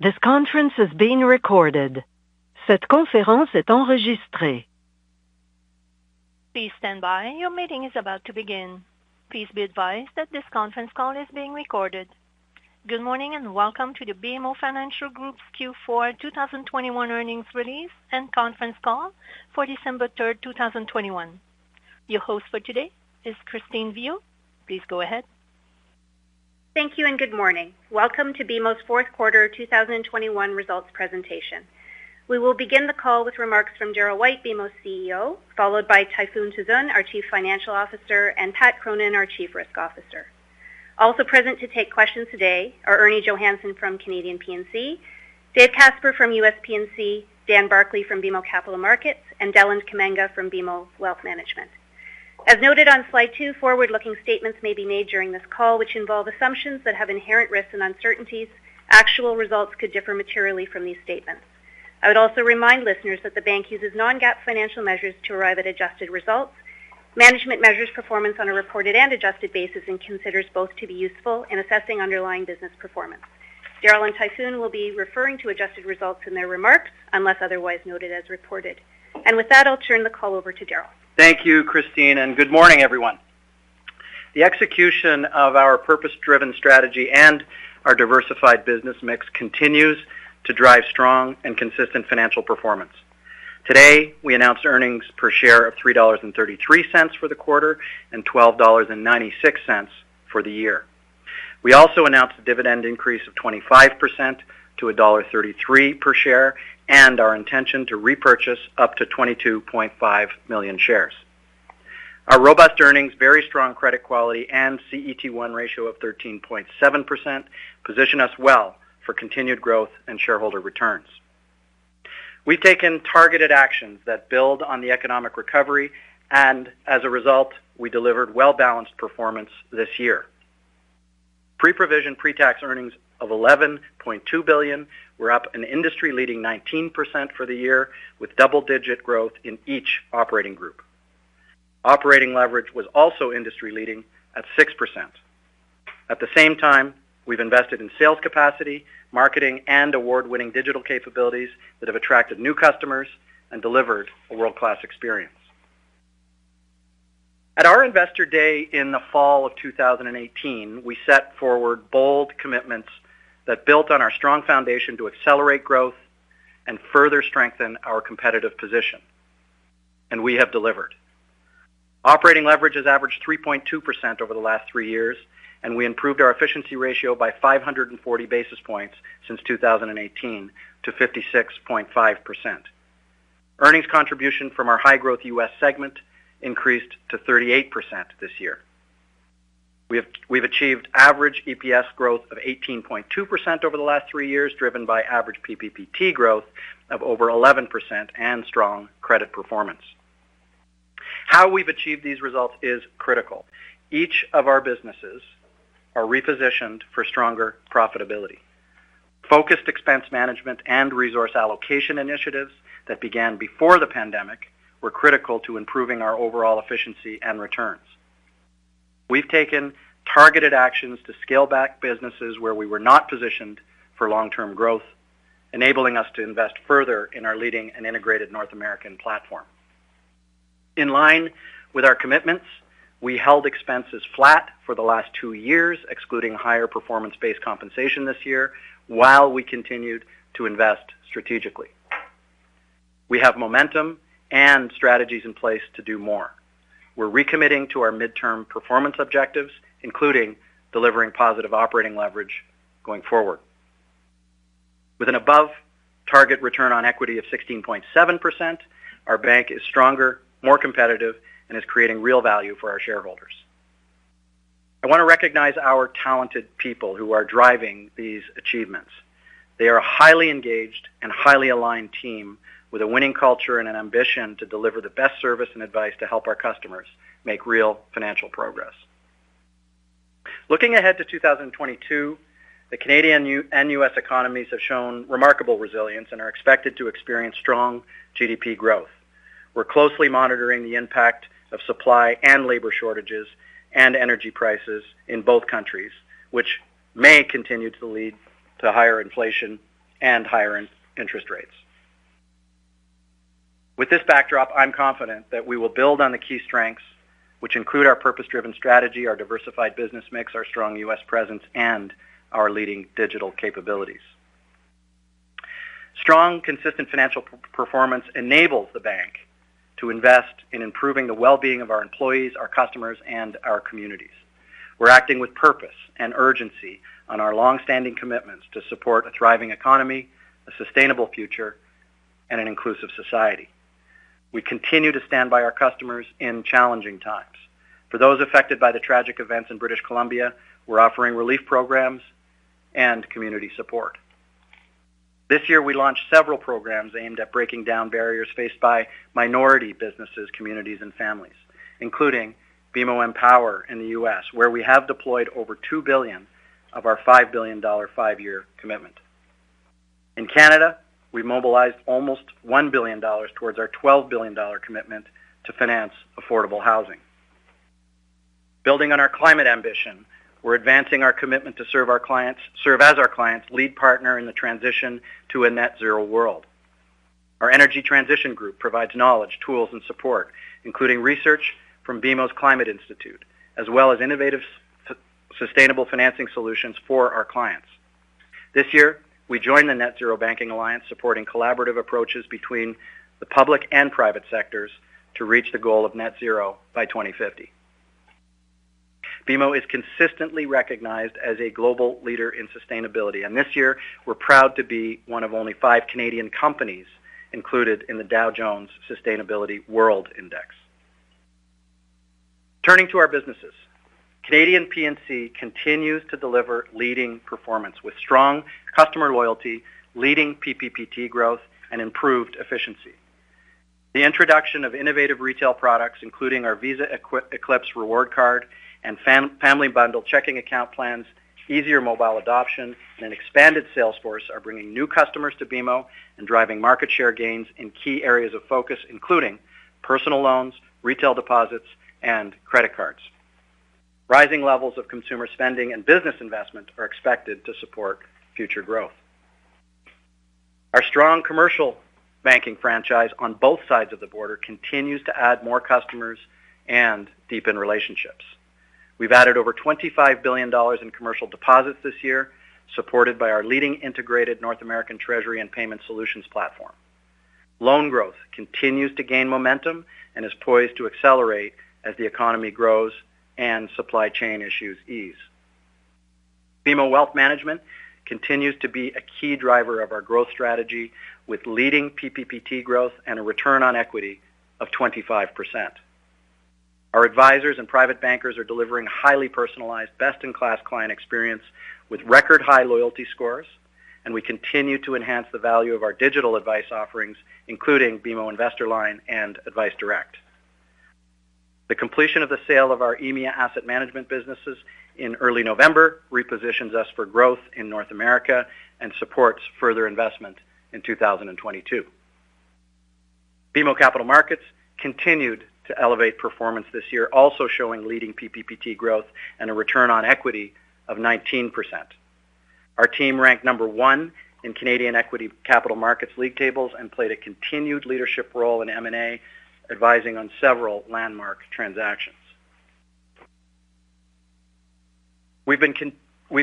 This conference is being recorded. Please stand by your meeting is about to begin. Please be advised that this conference call is being recorded. Good morning and welcome to the BMO Financial Group Q4 2021 earnings release and conference call for December 3, 2021. Your host for today is Christine Viau. Please go ahead. Thank you and good morning. Welcome to BMO's Q4 2021 results presentation. We will begin the call with remarks from Darryl White, BMO's CEO, followed by Tayfun Tuzun, our Chief Financial Officer, and Patrick Cronin, our Chief Risk Officer. Also present to take questions today are Ernie Johannson from Canadian P&C, David Casper from U.S. P&C, Dan Barclay from BMO Capital Markets, and Deland Kamanga from BMO Wealth Management. As noted on slide two, forward-looking statements may be made during this call, which involve assumptions that have inherent risks and uncertainties. Actual results could differ materially from these statements. I would also remind listeners that the bank uses non-GAAP financial measures to arrive at adjusted results. Management measures performance on a reported and adjusted basis and considers both to be useful in assessing underlying business performance. Darryl and Tayfun will be referring to adjusted results in their remarks, unless otherwise noted as reported. With that, I'll turn the call over to Darryl. Thank you, Christine, and good morning, everyone. The execution of our purpose-driven strategy and our diversified business mix continues to drive strong and consistent financial performance. Today, we announced earnings per share of 3.33 dollars for the quarter and 12.96 dollars for the year. We also announced a dividend increase of 25% to dollar 1.33 per share and our intention to repurchase up to 22.5 million shares. Our robust earnings, very strong credit quality and CET1 ratio of 13.7% position us well for continued growth and shareholder returns. We've taken targeted actions that build on the economic recovery and as a result, we delivered well-balanced performance this year. Pre-provision, pre-tax earnings of 11.2 billion were up an industry-leading 19% for the year, with double-digit growth in each operating group. Operating leverage was also industry leading at 6%. At the same time, we've invested in sales capacity, marketing, and award-winning digital capabilities that have attracted new customers and delivered a world-class experience. At our Investor Day in the fall of 2018, we set forward bold commitments that built on our strong foundation to accelerate growth and further strengthen our competitive position. We have delivered. Operating leverage has averaged 3.2% over the last three years, and we improved our efficiency ratio by 540 basis points since 2018 to 56.5%. Earnings contribution from our high growth U.S. segment increased to 38% this year. We've achieved average EPS growth of 18.2% over the last three years, driven by average PPPT growth of over 11% and strong credit performance. How we've achieved these results is critical. Each of our businesses are repositioned for stronger profitability. Focused expense management and resource allocation initiatives that began before the pandemic were critical to improving our overall efficiency and returns. We've taken targeted actions to scale back businesses where we were not positioned for long-term growth, enabling us to invest further in our leading and integrated North American platform. In line with our commitments, we held expenses flat for the last 2 years, excluding higher performance-based compensation this year, while we continued to invest strategically. We have momentum and strategies in place to do more. We're recommitting to our midterm performance objectives, including delivering positive operating leverage going forward. With an above target return on equity of 16.7%, our bank is stronger, more competitive, and is creating real value for our shareholders. I want to recognize our talented people who are driving these achievements. They are a highly engaged and highly aligned team with a winning culture and an ambition to deliver the best service and advice to help our customers make real financial progress. Looking ahead to 2022, the Canadian and U.S. economies have shown remarkable resilience and are expected to experience strong GDP growth. We're closely monitoring the impact of supply and labor shortages and energy prices in both countries, which may continue to lead to higher inflation and higher interest rates. With this backdrop, I'm confident that we will build on the key strengths, which include our purpose-driven strategy, our diversified business mix, our strong U.S. presence, and our leading digital capabilities. Strong, consistent financial performance enables the bank to invest in improving the well-being of our employees, our customers, and our communities. We're acting with purpose and urgency on our long-standing commitments to support a thriving economy, a sustainable future, and an inclusive society. We continue to stand by our customers in challenging times. For those affected by the tragic events in British Columbia, we're offering relief programs and community support. This year, we launched several programs aimed at breaking down barriers faced by minority businesses, communities, and families, including BMO EMpower in the U.S., where we have deployed over $2 billion of our $5 billion five-year commitment. In Canada, we mobilized almost 1 billion dollars towards our 12 billion dollar commitment to finance affordable housing. Building on our climate ambition, we're advancing our commitment to serve as our clients' lead partner in the transition to a net zero world. Our energy transition group provides knowledge, tools, and support, including research from BMO Climate Institute, as well as innovative sustainable financing solutions for our clients. This year, we joined the Net-Zero Banking Alliance, supporting collaborative approaches between the public and private sectors to reach the goal of net zero by 2050. BMO is consistently recognized as a global leader in sustainability, and this year, we're proud to be one of only 5 Canadian companies included in the Dow Jones Sustainability World Index. Turning to our businesses, Canadian P&C continues to deliver leading performance with strong customer loyalty, leading PPPT growth, and improved efficiency. The introduction of innovative retail products, including our BMO eclipse Visa Infinite and family bundle checking account plans, easier mobile adoption, and an expanded sales force are bringing new customers to BMO and driving market share gains in key areas of focus, including personal loans, retail deposits, and credit cards. Rising levels of consumer spending and business investment are expected to support future growth. Our strong commercial banking franchise on both sides of the border continues to add more customers and deepen relationships. We've added over $25 billion in commercial deposits this year, supported by our leading integrated North American Treasury and Payment Solutions platform. Loan growth continues to gain momentum and is poised to accelerate as the economy grows and supply chain issues ease. BMO Wealth Management continues to be a key driver of our growth strategy with leading PPPT growth and a return on equity of 25%. Our advisors and private bankers are delivering highly personalized best-in-class client experience with record high loyalty scores, and we continue to enhance the value of our digital advice offerings, including BMO InvestorLine and adviceDirect. The completion of the sale of our EMEA Asset Management businesses in early November repositions us for growth in North America and supports further investment in 2022. BMO Capital Markets continued to elevate performance this year, also showing leading PPPT growth and a return on equity of 19%. Our team ranked number one in Canadian equity capital markets league tables and played a continued leadership role in M&A, advising on several landmark transactions. We've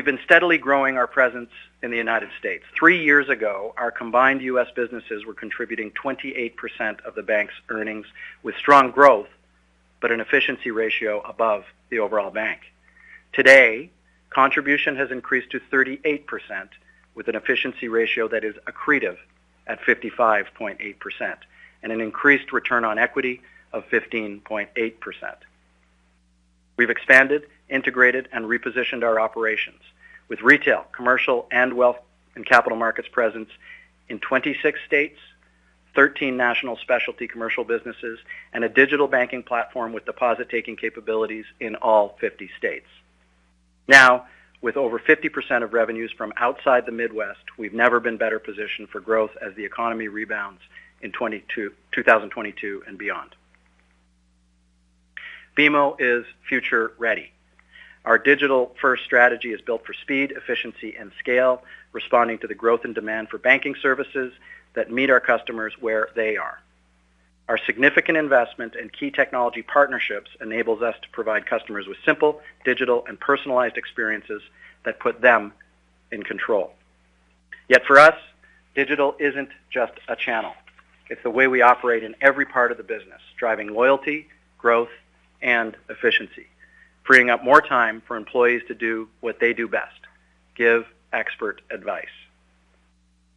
been steadily growing our presence in the United States. Three years ago, our combined U.S. businesses were contributing 28% of the bank's earnings with strong growth, but an efficiency ratio above the overall bank. Today, contribution has increased to 38% with an efficiency ratio that is accretive at 55.8% and an increased return on equity of 15.8%. We've expanded, integrated, and repositioned our operations with retail, commercial, and wealth and capital markets presence in 26 states, 13 national specialty commercial businesses, and a digital banking platform with deposit-taking capabilities in all 50 states. Now, with over 50% of revenues from outside the Midwest, we've never been better positioned for growth as the economy rebounds in 2022 and beyond. BMO is future ready. Our digital first strategy is built for speed, efficiency, and scale, responding to the growth and demand for banking services that meet our customers where they are. Our significant investment in key technology partnerships enables us to provide customers with simple, digital, and personalized experiences that put them in control. Yet for us, digital isn't just a channel. It's the way we operate in every part of the business, driving loyalty, growth, and efficiency, freeing up more time for employees to do what they do best, give expert advice.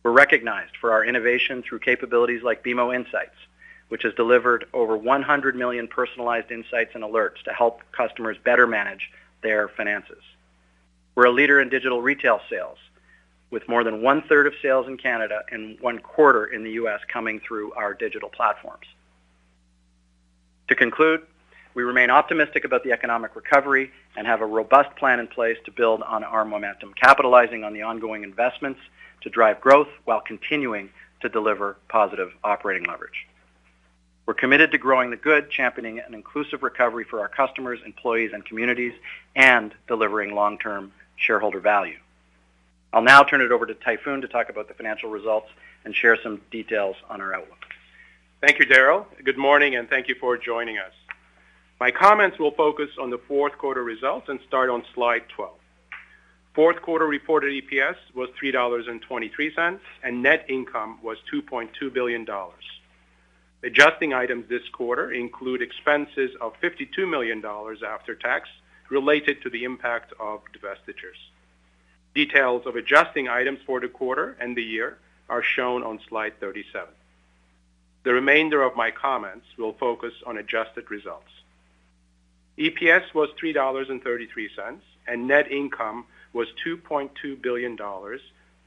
We're recognized for our innovation through capabilities like BMO Insights, which has delivered over 100 million personalized insights and alerts to help customers better manage their finances. We're a leader in digital retail sales with more than 1/3 of sales in Canada and 1/4 in the U.S. coming through our digital platforms. To conclude, we remain optimistic about the economic recovery and have a robust plan in place to build on our momentum, capitalizing on the ongoing investments to drive growth while continuing to deliver positive operating leverage. We're committed to growing the good, championing an inclusive recovery for our customers, employees, and communities, and delivering long-term shareholder value. I'll now turn it over to Tayfun to talk about the financial results and share some details on our outlook. Thank you, Darryl. Good morning, and thank you for joining us. My comments will focus on the Q4 results and start on Slide 12. Q4 reported EPS was 3.23 dollars, and net income was 2.2 billion dollars. Adjusting items this quarter include expenses of 52 million dollars after tax related to the impact of divestitures. Details of adjusting items for the quarter and the year are shown on Slide 37. The remainder of my comments will focus on adjusted results. EPS was 3.33 dollars, and net income was 2.2 billion dollars,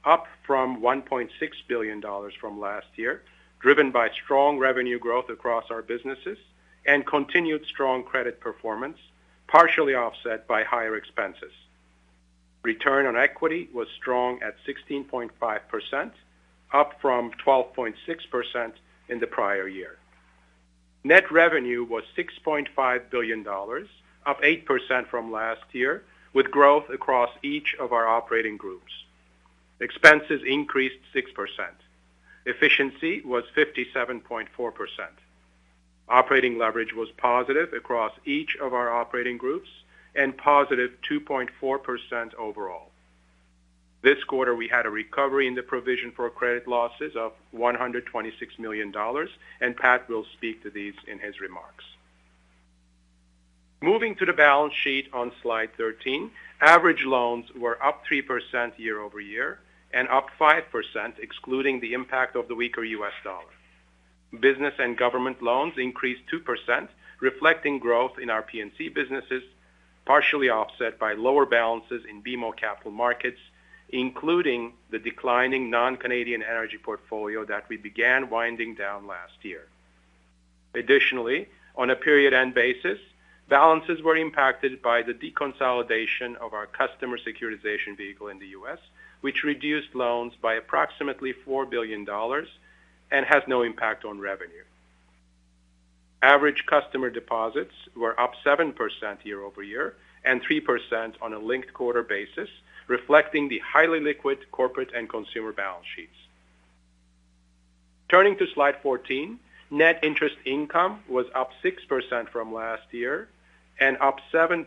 up from 1.6 billion dollars from last year, driven by strong revenue growth across our businesses and continued strong credit performance, partially offset by higher expenses. Return on equity was strong at 16.5%, up from 12.6% in the prior year. Net revenue was 6.5 billion dollars, up 8% from last year, with growth across each of our operating groups. Expenses increased 6%. Efficiency was 57.4%. Operating leverage was positive across each of our operating groups and positive 2.4% overall. This quarter, we had a recovery in the provision for credit losses of 126 million dollars, and Pat will speak to these in his remarks. Moving to the balance sheet on Slide 13, average loans were up 3% year-over-year and up 5% excluding the impact of the weaker U.S. dollar. Business and government loans increased 2%, reflecting growth in our P&C businesses, partially offset by lower balances in BMO Capital Markets, including the declining non-Canadian energy portfolio that we began winding down last year. Additionally, on a period-end basis, balances were impacted by the deconsolidation of our customer securitization vehicle in the U.S., which reduced loans by approximately $4 billion and has no impact on revenue. Average customer deposits were up 7% year-over-year and 3% on a linked-quarter basis, reflecting the highly liquid corporate and consumer balance sheets. Turning to slide 14, net interest income was up 6% from last year and up 7%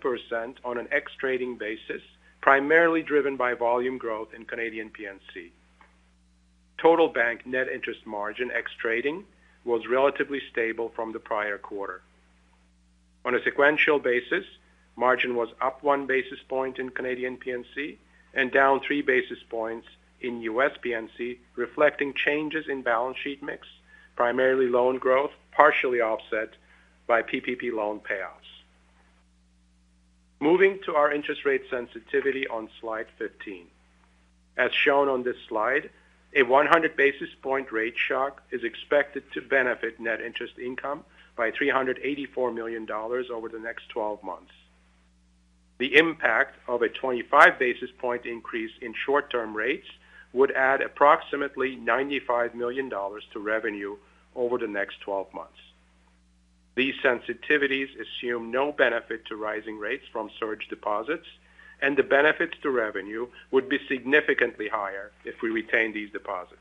on an ex-trading basis, primarily driven by volume growth in Canadian P&C. Total bank net interest margin ex-trading was relatively stable from the prior quarter. On a sequential basis, margin was up 1 basis point in Canadian P&C and down 3 basis points in U.S. P&C, reflecting changes in balance sheet mix, primarily loan growth, partially offset by PPP loan payoffs. Moving to our interest rate sensitivity on slide 15. As shown on this slide, a 100 basis point rate shock is expected to benefit net interest income by 384 million dollars over the next 12 months. The impact of a 25 basis point increase in short-term rates would add approximately 95 million dollars to revenue over the next 12 months. These sensitivities assume no benefit to rising rates from surge deposits, and the benefit to revenue would be significantly higher if we retain these deposits.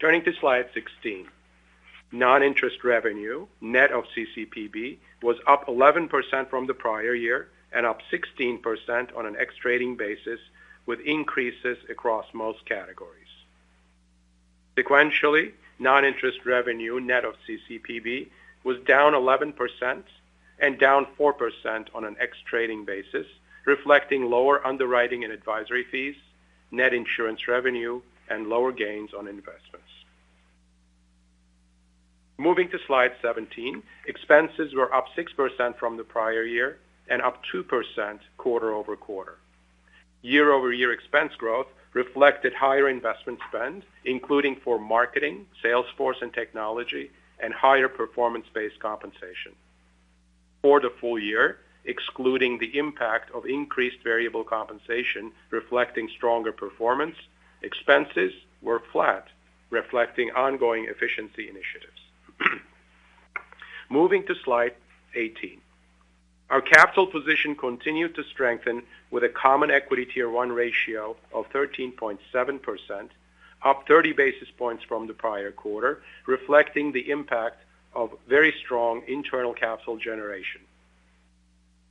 Turning to slide 16. Non-interest revenue, net of CCPB, was up 11% from the prior year and up 16% on an ex-trading basis, with increases across most categories. Sequentially, non-interest revenue, net of CCPB, was down 11% and down 4% on an ex-trading basis, reflecting lower underwriting and advisory fees, net insurance revenue and lower gains on investments. Moving to slide 17. Expenses were up 6% from the prior year and up 2% quarter-over-quarter. Year-over-year expense growth reflected higher investment spend, including for marketing, sales force and technology, and higher performance-based compensation. For the full year, excluding the impact of increased variable compensation reflecting stronger performance, expenses were flat, reflecting ongoing efficiency initiatives. Moving to Slide 18. Our capital position continued to strengthen with a common equity tier one ratio of 13.7%, up 30 basis points from the prior quarter, reflecting the impact of very strong internal capital generation.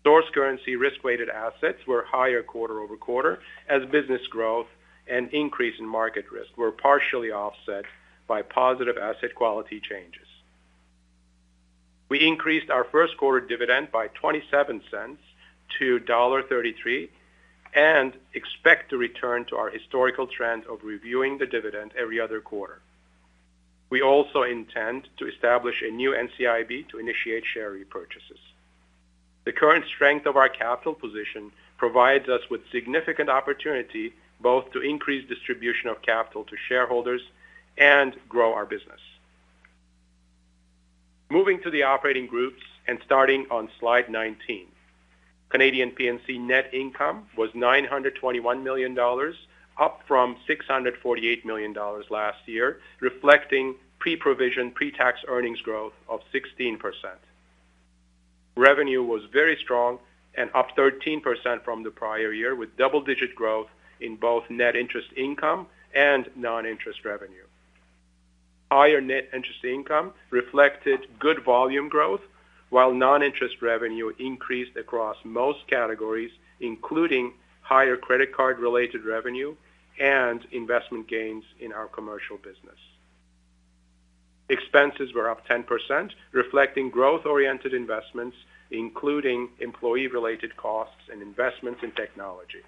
Source currency risk-weighted assets were higher quarter-over-quarter as business growth and increase in market risk were partially offset by positive asset quality changes. We increased our Q1 dividend by 0.27-1.33 dollar and expect to return to our historical trend of reviewing the dividend every other quarter. We also intend to establish a new NCIB to initiate share repurchases. The current strength of our capital position provides us with significant opportunity both to increase distribution of capital to shareholders and grow our business. Moving to the operating groups and starting on Slide 19. Canadian P&C net income was CAD 921 million, up from CAD 648 million last year, reflecting pre-provision, pre-tax earnings growth of 16%. Revenue was very strong and up 13% from the prior year, with double-digit growth in both net interest income and non-interest revenue. Higher net interest income reflected good volume growth while non-interest revenue increased across most categories, including higher credit card related revenue and investment gains in our commercial business. Expenses were up 10%, reflecting growth-oriented investments, including employee related costs and investments in technology.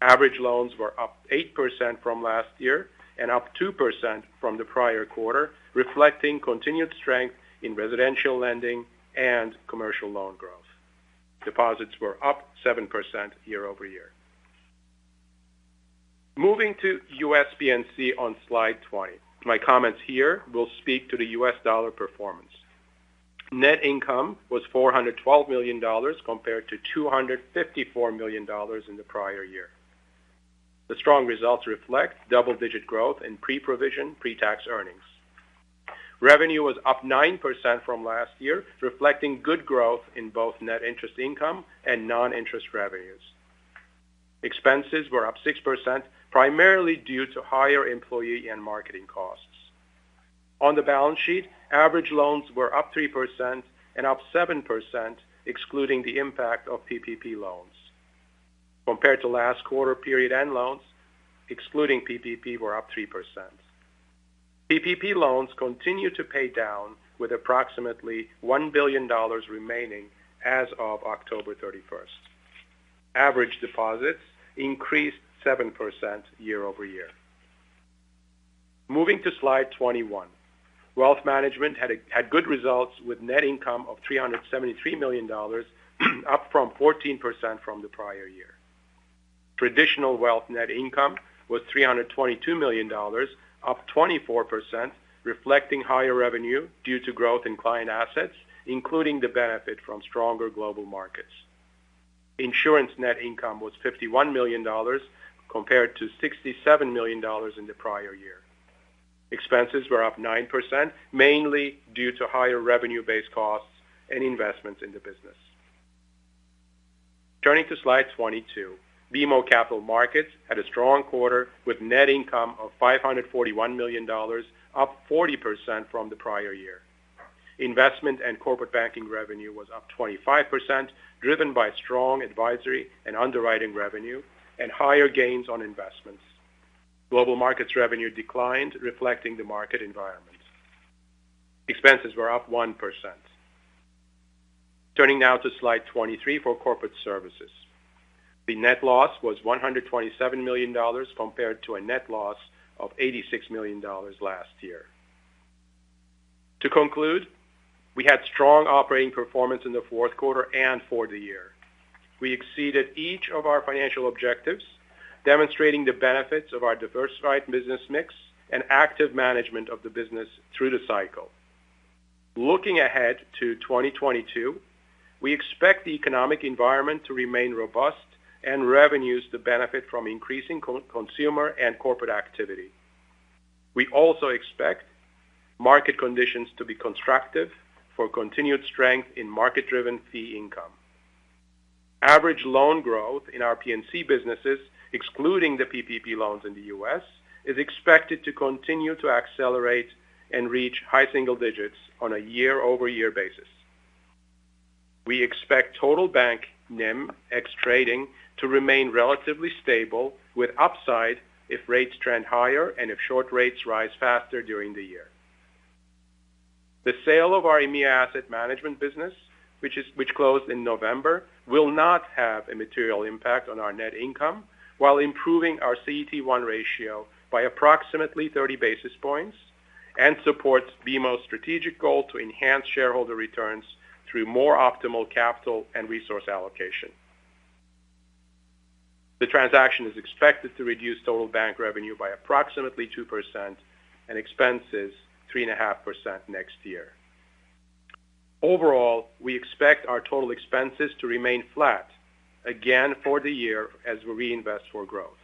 Average loans were up 8% from last year and up 2% from the prior quarter, reflecting continued strength in residential lending and commercial loan growth. Deposits were up 7% year-over-year. Moving to U.S. P&C on Slide 20. My comments here will speak to the U.S. dollar performance. Net income was $412 million compared to $254 million in the prior year. The strong results reflect double-digit growth in pre-provision, pre-tax earnings. Revenue was up 9% from last year, reflecting good growth in both net interest income and non-interest revenues. Expenses were up 6% primarily due to higher employee and marketing costs. On the balance sheet, average loans were up 3% and up 7% excluding the impact of PPP loans. Compared to last quarter period end loans, excluding PPP were up 3%. PPP loans continue to pay down with approximately 1 billion dollars remaining as of October 31. Average deposits increased 7% year-over-year. Moving to slide 21. Wealth Management had good results with net income of 373 million dollars, up 14% from the prior year. Traditional Wealth net income was 322 million dollars, up 24%, reflecting higher revenue due to growth in client assets, including the benefit from stronger global markets. Insurance net income was 51 million dollars compared to 67 million dollars in the prior year. Expenses were up 9%, mainly due to higher revenue-based costs and investments in the business. Turning to Slide 22. BMO Capital Markets had a strong quarter with net income of 541 million dollars, up 40% from the prior year. Investment and Corporate Banking revenue was up 25%, driven by strong advisory and underwriting revenue and higher gains on investments. Global Markets revenue declined, reflecting the market environment. Expenses were up 1%. Turning now to slide 23 for Corporate Services. The net loss was 127 million dollars compared to a net loss of 86 million dollars last year. To conclude, we had strong operating performance in the Q4 and for the year. We exceeded each of our financial objectives, demonstrating the benefits of our diversified business mix and active management of the business through the cycle. Looking ahead to 2022, we expect the economic environment to remain robust and revenues to benefit from increasing consumer and corporate activity. We also expect market conditions to be constructive for continued strength in market-driven fee income. Average loan growth in our P&C businesses, excluding the PPP loans in the U.S., is expected to continue to accelerate and reach high single digits on a year-over-year basis. We expect total bank NIM ex trading to remain relatively stable with upside if rates trend higher and if short rates rise faster during the year. The sale of our EMEA Asset Management business, which closed in November, will not have a material impact on our net income while improving our CET1 ratio by approximately 30 basis points and supports BMO's strategic goal to enhance shareholder returns through more optimal capital and resource allocation. The transaction is expected to reduce total bank revenue by approximately 2% and expenses 3.5% next year. Overall, we expect our total expenses to remain flat again for the year as we reinvest for growth.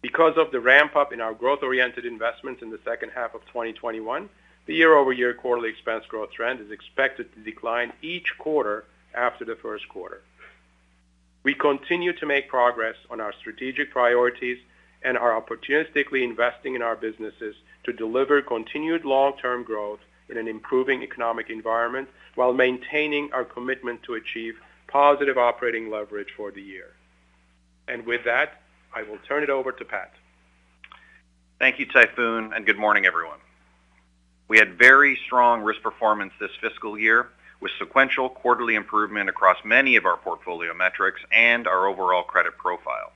Because of the ramp-up in our growth-oriented investments in the second half of 2021, the year-over-year quarterly expense growth trend is expected to decline each quarter after the first quarter. We continue to make progress on our strategic priorities and are opportunistically investing in our businesses to deliver continued long-term growth in an improving economic environment while maintaining our commitment to achieve positive operating leverage for the year. With that, I will turn it over to Pat. Thank you, Tayfun, and good morning, everyone. We had very strong risk performance this fiscal year with sequential quarterly improvement across many of our portfolio metrics and our overall credit profile.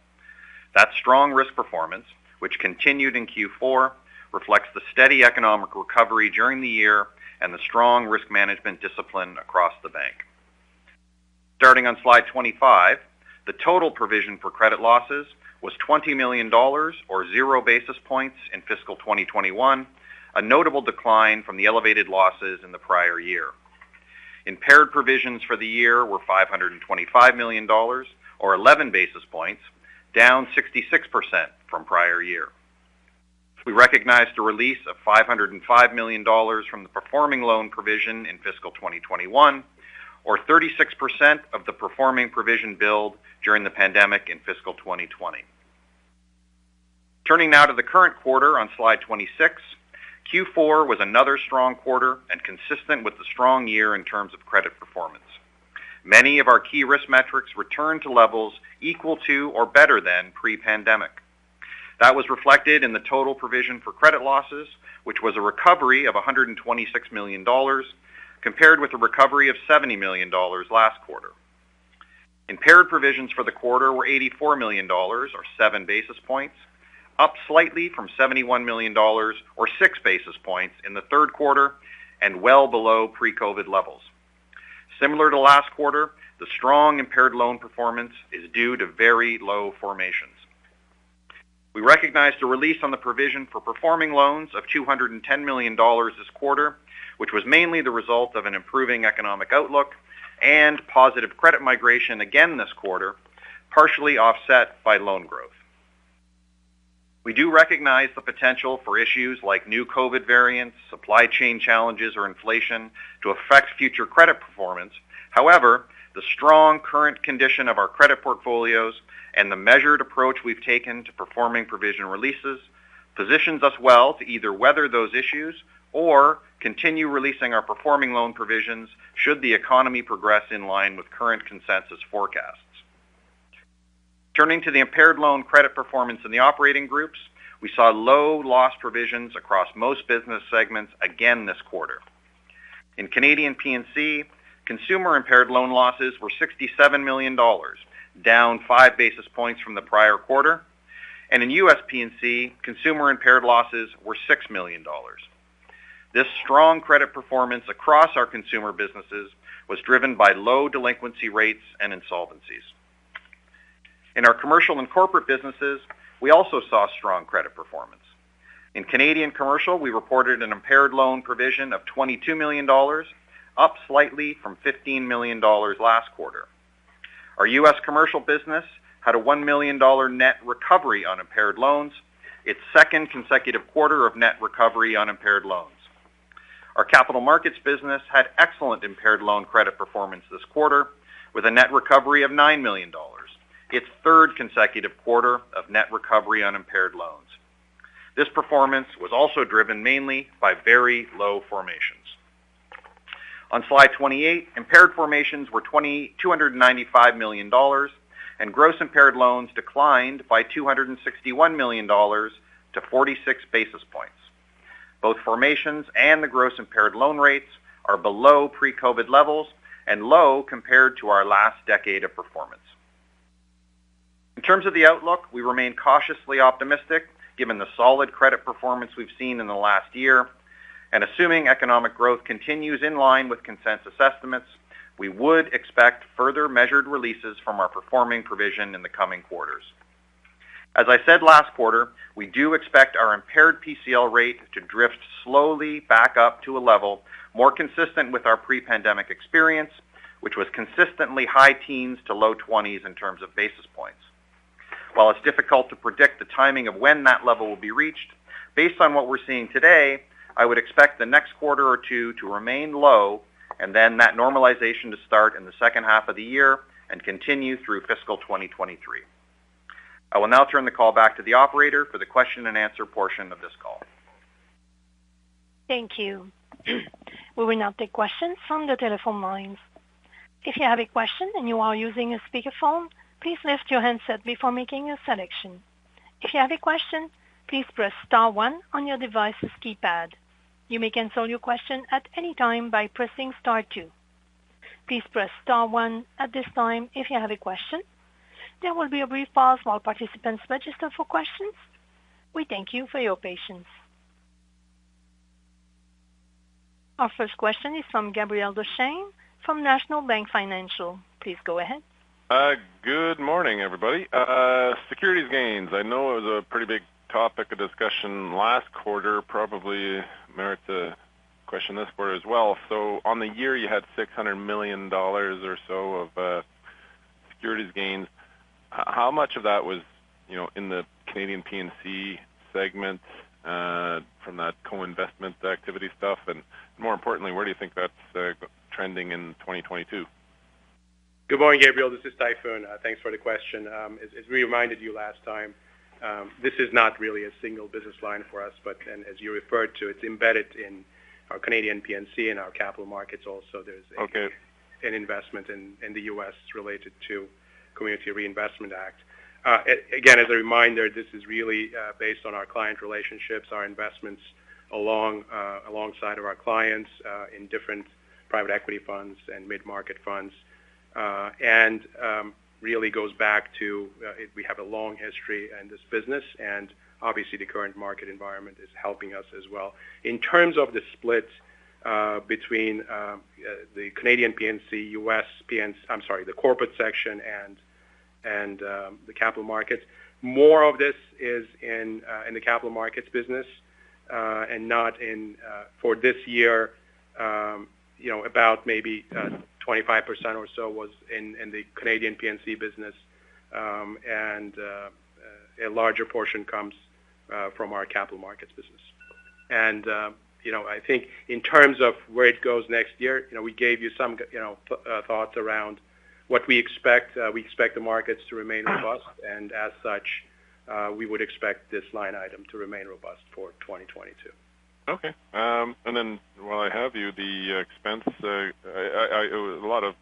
That strong risk performance, which continued in Q4, reflects the steady economic recovery during the year and the strong risk management discipline across the bank. Starting on slide 25, the total provision for credit losses was 20 million dollars or 0 basis points in fiscal 2021, a notable decline from the elevated losses in the prior year. Impaired provisions for the year were 525 million dollars or 11 basis points, down 66% from prior year. We recognized a release of 505 million dollars from the performing loan provision in fiscal 2021, or 36% of the performing provision build during the pandemic in fiscal 2020. Turning now to the current quarter on slide 26. Q4 was another strong quarter and consistent with the strong year in terms of credit performance. Many of our key risk metrics returned to levels equal to or better than pre-pandemic. That was reflected in the total provision for credit losses, which was a recovery of 126 million dollars, compared with a recovery of 70 million dollars last quarter. Impaired provisions for the quarter were 84 million dollars or 7 basis points, up slightly from 71 million dollars or 6 basis points in the Q3 and well below pre-COVID levels. Similar to last quarter, the strong impaired loan performance is due to very low formations. We recognized a release on the provision for performing loans of 210 million dollars this quarter, which was mainly the result of an improving economic outlook and positive credit migration again this quarter, partially offset by loan growth. We do recognize the potential for issues like new COVID variants, supply chain challenges or inflation to affect future credit performance. However, the strong current condition of our credit portfolios and the measured approach we've taken to performing provision releases positions us well to either weather those issues or continue releasing our performing loan provisions should the economy progress in line with current consensus forecasts. Turning to the impaired loan credit performance in the operating groups, we saw low loss provisions across most business segments again this quarter. In Canadian P&C, consumer impaired loan losses were 67 million dollars, down five basis points from the prior quarter. In U.S. P&C, consumer impaired losses were $6 million. This strong credit performance across our consumer businesses was driven by low delinquency rates and insolvencies. In our commercial and corporate businesses, we also saw strong credit performance. In Canadian commercial, we reported an impaired loan provision of 22 million dollars, up slightly from 15 million dollars last quarter. Our U.S. commercial business had a $1 million net recovery on impaired loans, its second consecutive quarter of net recovery on impaired loans. Our capital markets business had excellent impaired loan credit performance this quarter, with a net recovery of 9 million dollars, its third consecutive quarter of net recovery on impaired loans. This performance was also driven mainly by very low formations. On slide 28, impaired formations were 295 million dollars, and gross impaired loans declined by 261 million dollars to 46 basis points. Both formations and the gross impaired loan rates are below pre-COVID levels and low compared to our last decade of performance. In terms of the outlook, we remain cautiously optimistic given the solid credit performance we've seen in the last year. Assuming economic growth continues in line with consensus estimates, we would expect further measured releases from our performing provision in the coming quarters. As I said last quarter, we do expect our impaired PCL rate to drift slowly back up to a level more consistent with our pre-pandemic experience, which was consistently high teens to low twenties in terms of basis points. While it's difficult to predict the timing of when that level will be reached, based on what we're seeing today, I would expect the next quarter or two to remain low, and then that normalization to start in the second half of the year and continue through fiscal 2023. I will now turn the call back to the operator for the question and answer portion of this call. Thank you. We will now take questions from the telephone lines. If you have a question and you are using a speakerphone, please lift your handset before making your selection. If you have a question, please press star one on your device's keypad. You may cancel your question at any time by pressing star two. Please press star one at this time if you have a question. There will be a brief pause while participants register for questions. We thank you for your patience. Our first question is from Gabriel Dechaine from National Bank Financial. Please go ahead. Good morning, everybody. Securities gains, I know it was a pretty big topic of discussion last quarter, probably merits a question this quarter as well. On the year, you had 600 million dollars or so of securities gains. How much of that was, you know, in the Canadian P&C segment from that co-investment activity stuff? More importantly, where do you think that's trending in 2022? Good morning, Gabriel. This is Tayfun. Thanks for the question. As we reminded you last time, this is not really a single business line for us, and as you referred to, it's embedded in our Canadian P&C and our Capital Markets also. There's Okay. An investment in the U.S. related to Community Reinvestment Act. Again, as a reminder, this is really based on our client relationships, our investments alongside our clients in different private equity funds and mid-market funds, and really goes back to we have a long history in this business, and obviously the current market environment is helping us as well. In terms of the split between the Canadian P&C, the corporate section and the Capital Markets. More of this is in the Capital Markets business. For this year, you know, about maybe 25% or so was in the Canadian P&C business, and a larger portion comes from our Capital Markets business. You know, I think in terms of where it goes next year, you know, we gave you some thoughts around what we expect. We expect the markets to remain robust, and as such, we would expect this line item to remain robust for 2022. Okay. And then while I have you, the expense, A lot of,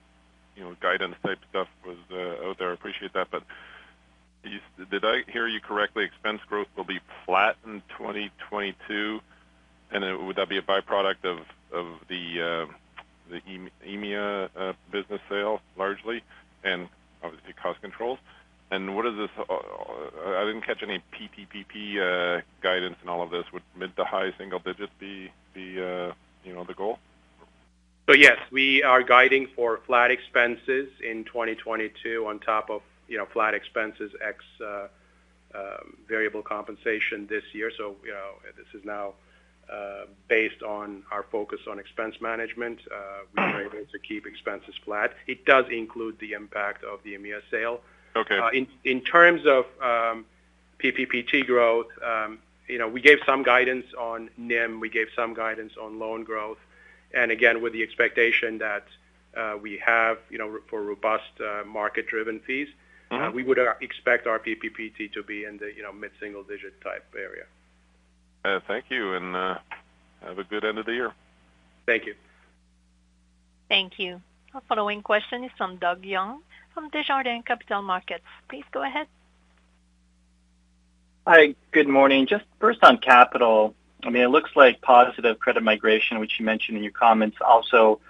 you know, guidance type stuff was out there. I appreciate that. But did I hear you correctly, expense growth will be flat in 2022? And then would that be a byproduct of the EMEA business sale largely? Cost controls. What is this, I didn't catch any PPP guidance in all of this. Would mid- to high-single digits be the, you know, the goal? Yes, we are guiding for flat expenses in 2022 on top of, you know, flat expenses ex variable compensation this year. You know, this is now based on our focus on expense management, we're able to keep expenses flat. It does include the impact of the EMEA sale. Okay. In terms of PPPT growth, you know, we gave some guidance on NIM. We gave some guidance on loan growth. Again, with the expectation that we have, you know, for robust market driven fees. Mm-hmm. We would expect our PPPT to be in the, you know, mid-single digit type area. Thank you. Have a good end of the year. Thank you. Thank you. Our following question is from Doug Young from Desjardins Capital Markets. Please go ahead. Hi. Good morning. Just first on capital, I mean, it looks like positive credit migration, which you mentioned in your comments also,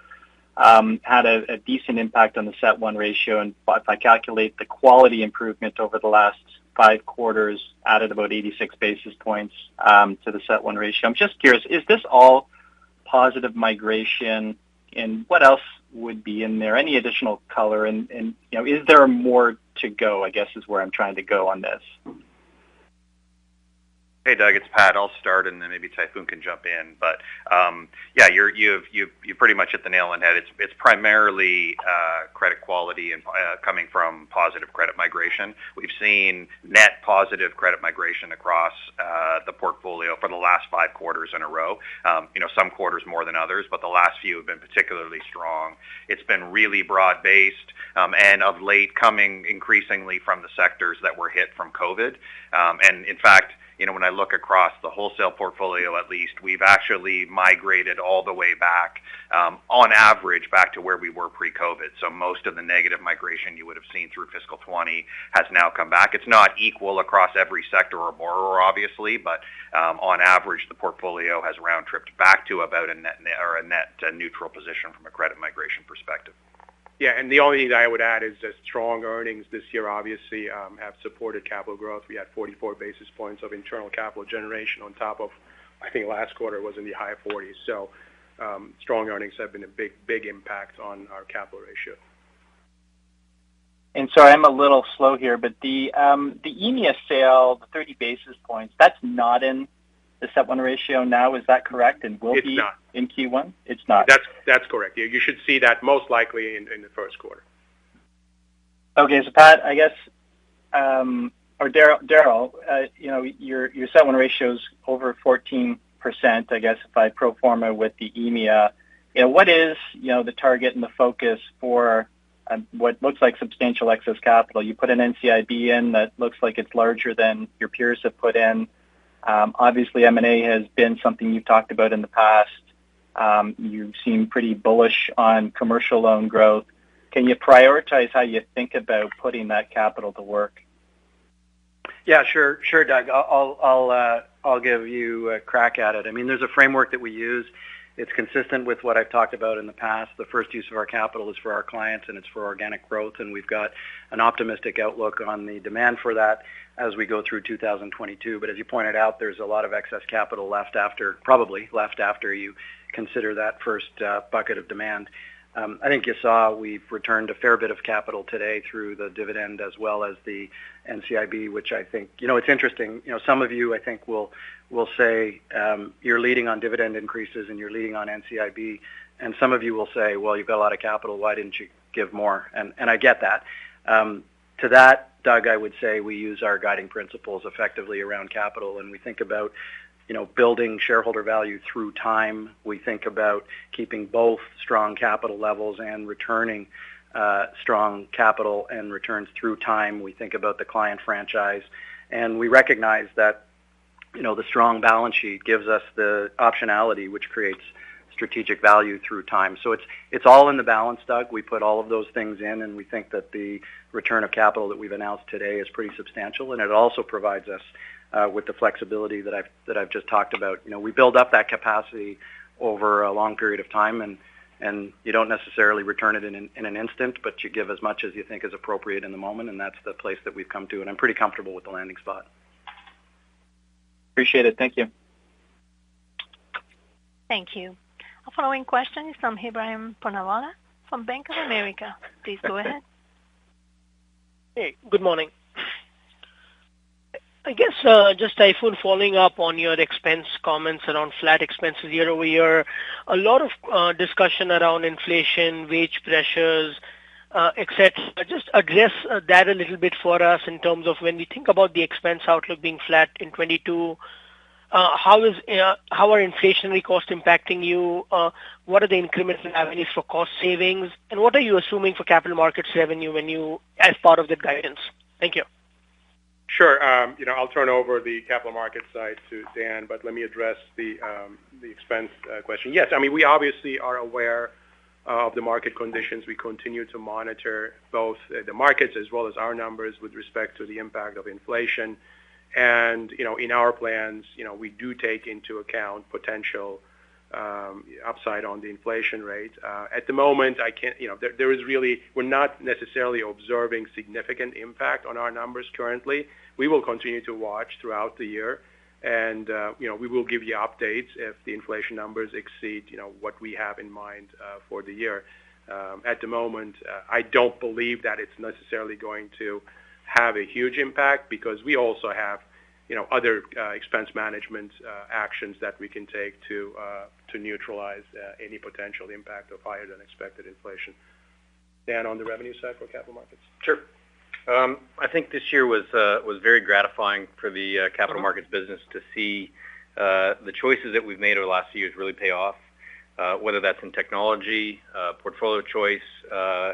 had a decent impact on the CET1 ratio. If I calculate the quality improvement over the last 5 quarters, added about 86 basis points to the CET1 ratio. I'm just curious, is this all positive migration, and what else would be in there? Any additional color and, you know, is there more to go, I guess, is where I'm trying to go on this? Hey, Doug, it's Pat. I'll start, and then maybe Tayfun can jump in. Yeah, you've pretty much hit the nail on the head. It's primarily credit quality and coming from positive credit migration. We've seen net positive credit migration across the portfolio for the last 5 quarters in a row. You know, some quarters more than others, but the last few have been particularly strong. It's been really broad-based, and of late coming increasingly from the sectors that were hit from COVID. And in fact, you know, when I look across the wholesale portfolio, at least, we've actually migrated all the way back, on average, back to where we were pre-COVID. Most of the negative migration you would have seen through fiscal 2020 has now come back. It's not equal across every sector or borrower, obviously, but on average, the portfolio has round-tripped back to about a net or a net neutral position from a credit migration perspective. Yeah. The only thing I would add is that strong earnings this year obviously have supported capital growth. We had 44 basis points of internal capital generation on top of, I think last quarter was in the high 40s. Strong earnings have been a big, big impact on our capital ratio. I'm a little slow here, but the EMEA sale, the 30 basis points, that's not in the CET1 ratio now, is that correct? Will be in Q1? It's not. That's correct. You should see that most likely in the first quarter. Okay. Pat, I guess, or Darryl, you know, your CET1 ratio is over 14%, I guess, if I pro forma with the EMEA. You know, what is the target and the focus for what looks like substantial excess capital. You put an NCIB in that looks like it's larger than your peers have put in. Obviously, M&A has been something you've talked about in the past. You seem pretty bullish on commercial loan growth. Can you prioritize how you think about putting that capital to work? Yeah, sure. Sure, Doug. I'll give you a crack at it. I mean, there's a framework that we use. It's consistent with what I've talked about in the past. The first use of our capital is for our clients, and it's for organic growth, and we've got an optimistic outlook on the demand for that as we go through 2022. But as you pointed out, there's a lot of excess capital left after you consider that first bucket of demand. I think you saw we've returned a fair bit of capital today through the dividend as well as the NCIB, which I think. You know, it's interesting. You know, some of you, I think, will say you're leading on dividend increases and you're leading on NCIB, and some of you will say, "Well, you've got a lot of capital, why didn't you give more?" I get that. To that, Doug, I would say we use our guiding principles effectively around capital, and we think about, you know, building shareholder value through time. We think about keeping both strong capital levels and returning strong capital and returns through time. We think about the client franchise, and we recognize that, you know, the strong balance sheet gives us the optionality, which creates strategic value through time. It's all in the balance, Doug. We put all of those things in, and we think that the return of capital that we've announced today is pretty substantial. It also provides us with the flexibility that I've just talked about. You know, we build up that capacity over a long period of time, and you don't necessarily return it in an instant, but you give as much as you think is appropriate in the moment, and that's the place that we've come to. I'm pretty comfortable with the landing spot. Appreciate it. Thank you. Thank you. Our following question is from Ebrahim Poonawala from Bank of America. Please go ahead. Hey, good morning. I guess just Tayfun following up on your expense comments around flat expenses year-over-year. A lot of discussion around inflation, wage pressures, et cetera. Just address that a little bit for us in terms of when we think about the expense outlook being flat in 2022, how are inflationary costs impacting you? What are the incrementals, if any, for cost savings? What are you assuming for Capital Markets revenue as part of the guidance? Thank you. Sure. You know, I'll turn over the capital markets side to Dan, but let me address the expense question. Yes. I mean, we obviously are aware of the market conditions. We continue to monitor both the markets as well as our numbers with respect to the impact of inflation. You know, in our plans, you know, we do take into account potential Upside on the inflation rate. At the moment, I can't, you know, there is really. We're not necessarily observing significant impact on our numbers currently. We will continue to watch throughout the year and, you know, we will give you updates if the inflation numbers exceed, you know, what we have in mind for the year. At the moment, I don't believe that it's necessarily going to have a huge impact because we also have, you know, other expense management actions that we can take to neutralize any potential impact of higher than expected inflation. Dan, on the revenue side for Capital Markets. Sure. I think this year was very gratifying for the capital markets business to see the choices that we've made over the last few years really pay off, whether that's in technology, portfolio choice,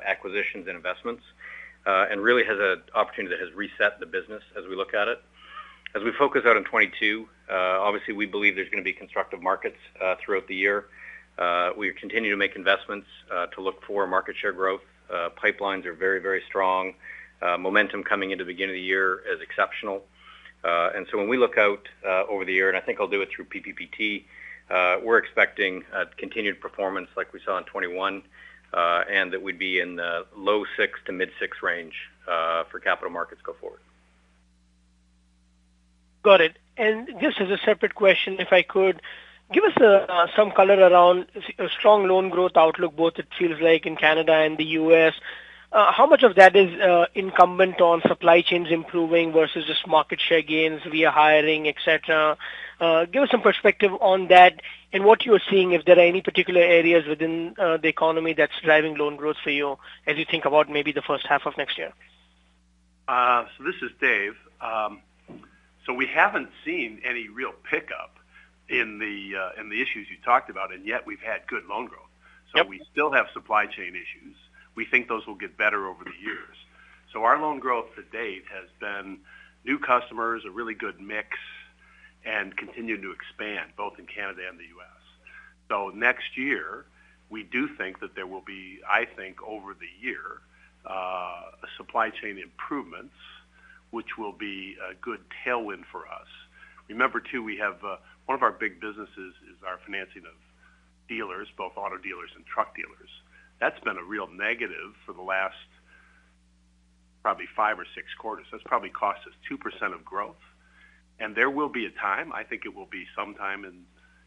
acquisitions and investments, and really has an opportunity that has reset the business as we look at it. As we focus out on 2022, obviously we believe there's gonna be constructive markets throughout the year. We continue to make investments to look for market share growth. Pipelines are very, very strong. Momentum coming into the beginning of the year is exceptional. When we look out over the year, and I think I'll do it through PPPT, we're expecting continued performance like we saw in 2021, and that we'd be in the low 6% to mid 6% range for Capital Markets going forward. Got it. Just as a separate question, if I could, give us some color around strong loan growth outlook, both it feels like in Canada and the U.S. How much of that is incumbent on supply chains improving versus just market share gains via hiring, et cetera? Give us some perspective on that and what you are seeing if there are any particular areas within the economy that's driving loan growth for you as you think about maybe the first half of next year. This is Dave. We haven't seen any real pickup in the issues you talked about, and yet we've had good loan growth. Yep. We still have supply chain issues. We think those will get better over the years. Our loan growth to date has been new customers, a really good mix, and continuing to expand both in Canada and the U.S. Next year we do think that there will be, I think over the year, supply chain improvements, which will be a good tailwind for us. Remember too, we have one of our big businesses is our financing of dealers, both auto dealers and truck dealers. That's been a real negative for the last probably five or six quarters. That's probably cost us 2% of growth. There will be a time, I think it will be sometime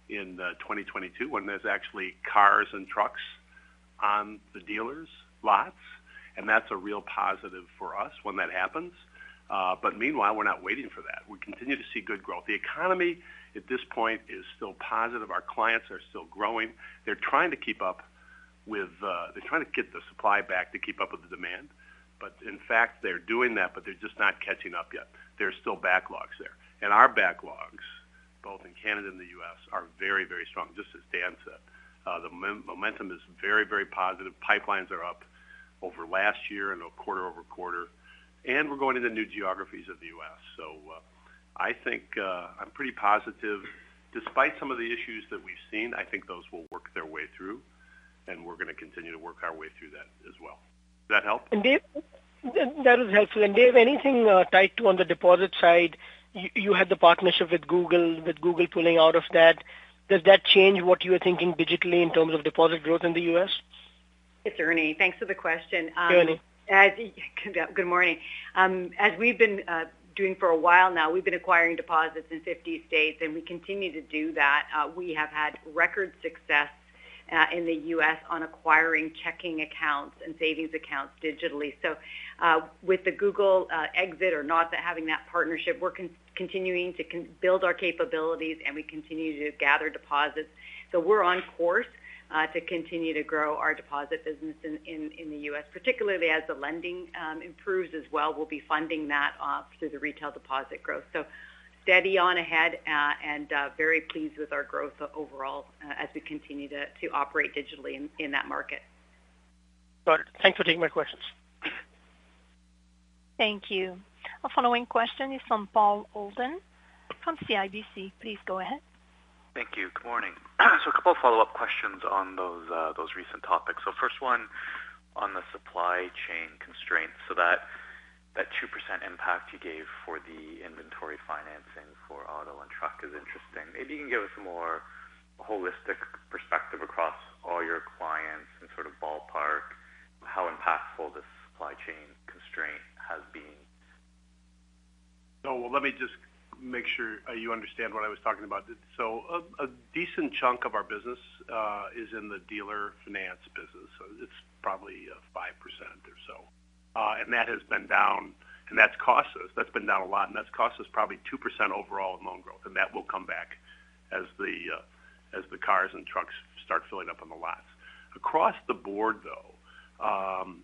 in 2022 when there's actually cars and trucks on the dealers' lots, and that's a real positive for us when that happens. Meanwhile, we're not waiting for that. We continue to see good growth. The economy at this point is still positive. Our clients are still growing. They're trying to get the supply back to keep up with the demand. In fact, they're doing that, but they're just not catching up yet. There's still backlogs there. Our backlogs, both in Canada and the U.S. are very, very strong. Just as Dan said. The momentum is very, very positive. Pipelines are up over last year and quarter-over-quarter, and we're going into new geographies of the U.S. I think, I'm pretty positive despite some of the issues that we've seen, I think those will work their way through, and we're gonna continue to work our way through that as well. Does that help? Dave, that is helpful. Dave, anything tied to on the deposit side, you had the partnership with Google, with Google pulling out of that. Does that change what you were thinking digitally in terms of deposit growth in the U.S.? It's Ernie. Thanks for the question. Ernie. Good morning. As we've been doing for a while now, we've been acquiring deposits in 50 states, and we continue to do that. We have had record success in the U.S. on acquiring checking accounts and savings accounts digitally. With the Google exit or not having that partnership, we're continuing to build our capabilities and we continue to gather deposits. We're on course to continue to grow our deposit business in the U.S. Particularly as the lending improves as well, we'll be funding that through the retail deposit growth. Steady on ahead, and very pleased with our growth overall, as we continue to operate digitally in that market. Got it. Thanks for taking my questions. Thank you. Our following question is from Paul Holden from CIBC. Please go ahead. Thank you. Good morning. A couple follow-up questions on those recent topics. First one on the supply chain constraints. That 2% impact you gave for the inventory financing for auto and truck is interesting. Maybe you can give us a more holistic perspective across all your clients and sort of ballpark how impactful this supply chain constraint has been. Let me just make sure you understand what I was talking about. A decent chunk of our business is in the dealer finance business. It's probably 5% or so. And that has been down, and that's cost us. That's been down a lot, and that's cost us probably 2% overall in loan growth. That will come back as the cars and trucks start filling up on the lots. Across the board though,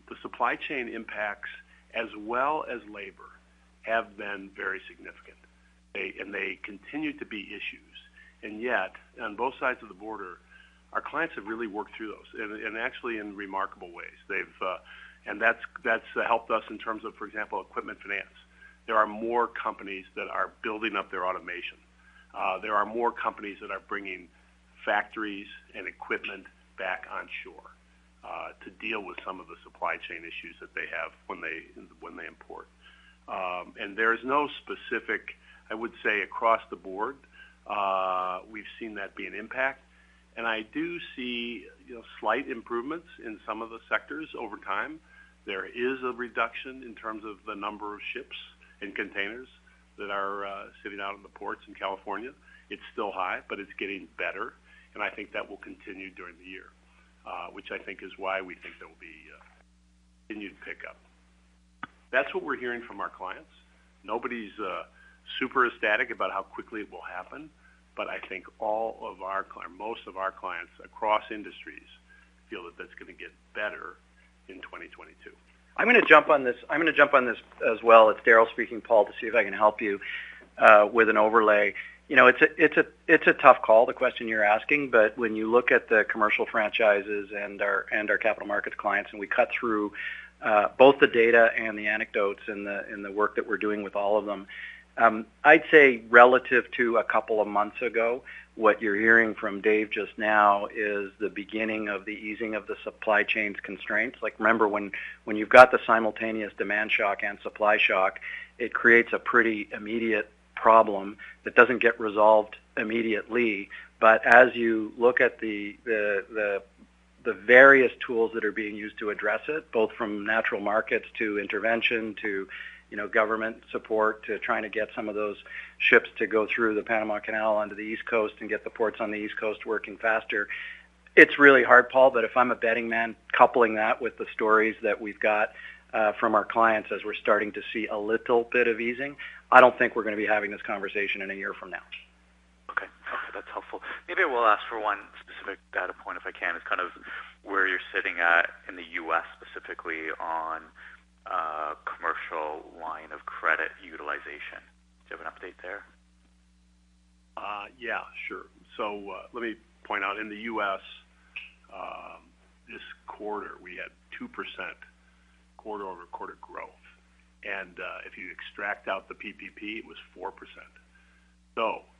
the supply chain impacts as well as labor have been very significant. They continue to be issues. Yet, on both sides of the border, our clients have really worked through those and actually in remarkable ways. They've and that's helped us in terms of, for example, equipment finance. There are more companies that are building up their automation. There are more companies that are bringing factories and equipment back to deal with some of the supply chain issues that they have when they import. There's no specific, I would say, across the board, we've seen that be an impact. I do see, you know, slight improvements in some of the sectors over time. There is a reduction in terms of the number of ships and containers that are sitting out in the ports in California. It's still high, but it's getting better, and I think that will continue during the year, which I think is why we think there will be a continued pickup. That's what we're hearing from our clients. Nobody's super ecstatic about how quickly it will happen, but I think most of our clients across industries feel that that's gonna get better in 2022. I'm gonna jump on this. I'm gonna jump on this as well. It's Daryl speaking, Paul, to see if I can help you with an overlay. You know, it's a tough call, the question you're asking, but when you look at the commercial franchises and our capital markets clients, and we cut through both the data and the anecdotes in the work that we're doing with all of them, I'd say relative to a couple of months ago, what you're hearing from Dave just now is the beginning of the easing of the supply chain's constraints. Like remember when you've got the simultaneous demand shock and supply shock, it creates a pretty immediate problem that doesn't get resolved immediately. As you look at the various tools that are being used to address it, both from natural markets to intervention to, you know, government support, to trying to get some of those ships to go through the Panama Canal onto the East Coast and get the ports on the East Coast working faster. It's really hard, Paul, but if I'm a betting man, coupling that with the stories that we've got, from our clients as we're starting to see a little bit of easing, I don't think we're gonna be having this conversation in a year from now. Okay. That's helpful. Maybe I will ask for one specific data point, if I can. It's kind of where you're sitting at in the U.S., specifically on commercial line of credit utilization. Do you have an update there? Let me point out, in the U.S., this quarter, we had 2% quarter-over-quarter growth. If you extract out the PPP, it was 4%.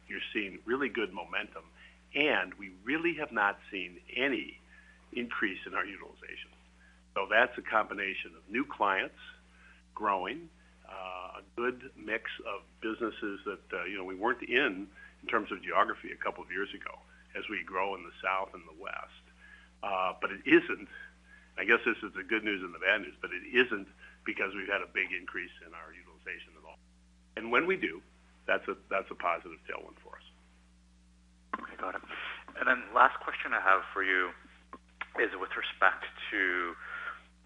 You're seeing really good momentum, and we really have not seen any increase in our utilization. That's a combination of new clients growing, a good mix of businesses that, you know, we weren't in terms of geography a couple of years ago as we grow in the South and the West. It isn't—I guess this is the good news and the bad news, but it isn't because we've had a big increase in our utilization at all. When we do, that's a positive tailwind for us. Okay, got it. Last question I have for you is with respect to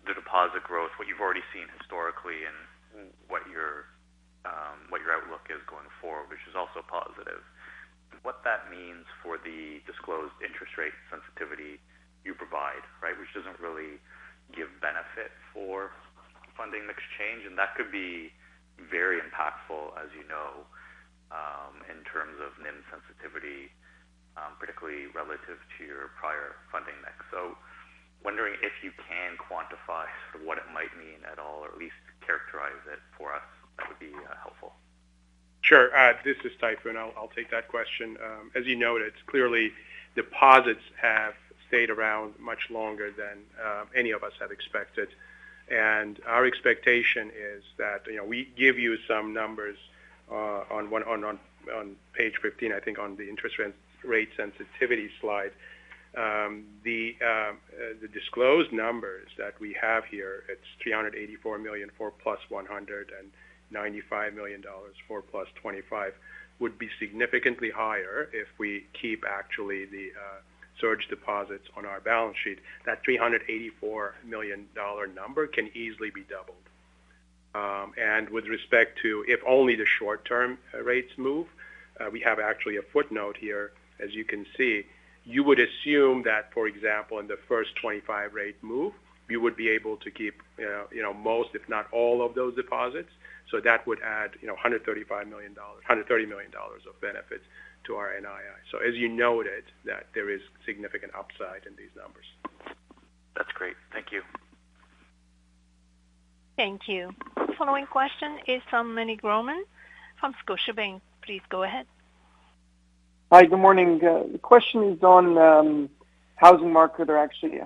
the deposit growth, what you've already seen historically and what your outlook is going forward, which is also positive. What that means for the disclosed interest rate sensitivity you provide, right? Which doesn't really give benefit for funding mix change, and that could be very impactful, as you know, in terms of NIM sensitivity, particularly relative to your prior funding mix. Wondering if you can quantify what it might mean at all or at least characterize it for us. That would be helpful. Sure. This is Tayfun Tuzun. I'll take that question. As you noted, clearly deposits have stayed around much longer than any of us had expected. Our expectation is that, you know, we give you some numbers on page 15, I think, on the interest rate sensitivity slide. The disclosed numbers that we have here, it's $384 million for +100 and $195 million for +25, would be significantly higher if we actually keep the surge deposits on our balance sheet. That $384 million number can easily be doubled. With respect to if only the short-term rates move, we actually have a footnote here, as you can see. You would assume that, for example, in the first 25 rate move, you would be able to keep most if not all of those deposits. That would add a $130 million of benefits to our NII. As you noted, that there is significant upside in these numbers. That's great. Thank you. Thank you. Following question is from Meny Grauman from Scotiabank. Please go ahead. Hi, good morning. The question is on housing policy.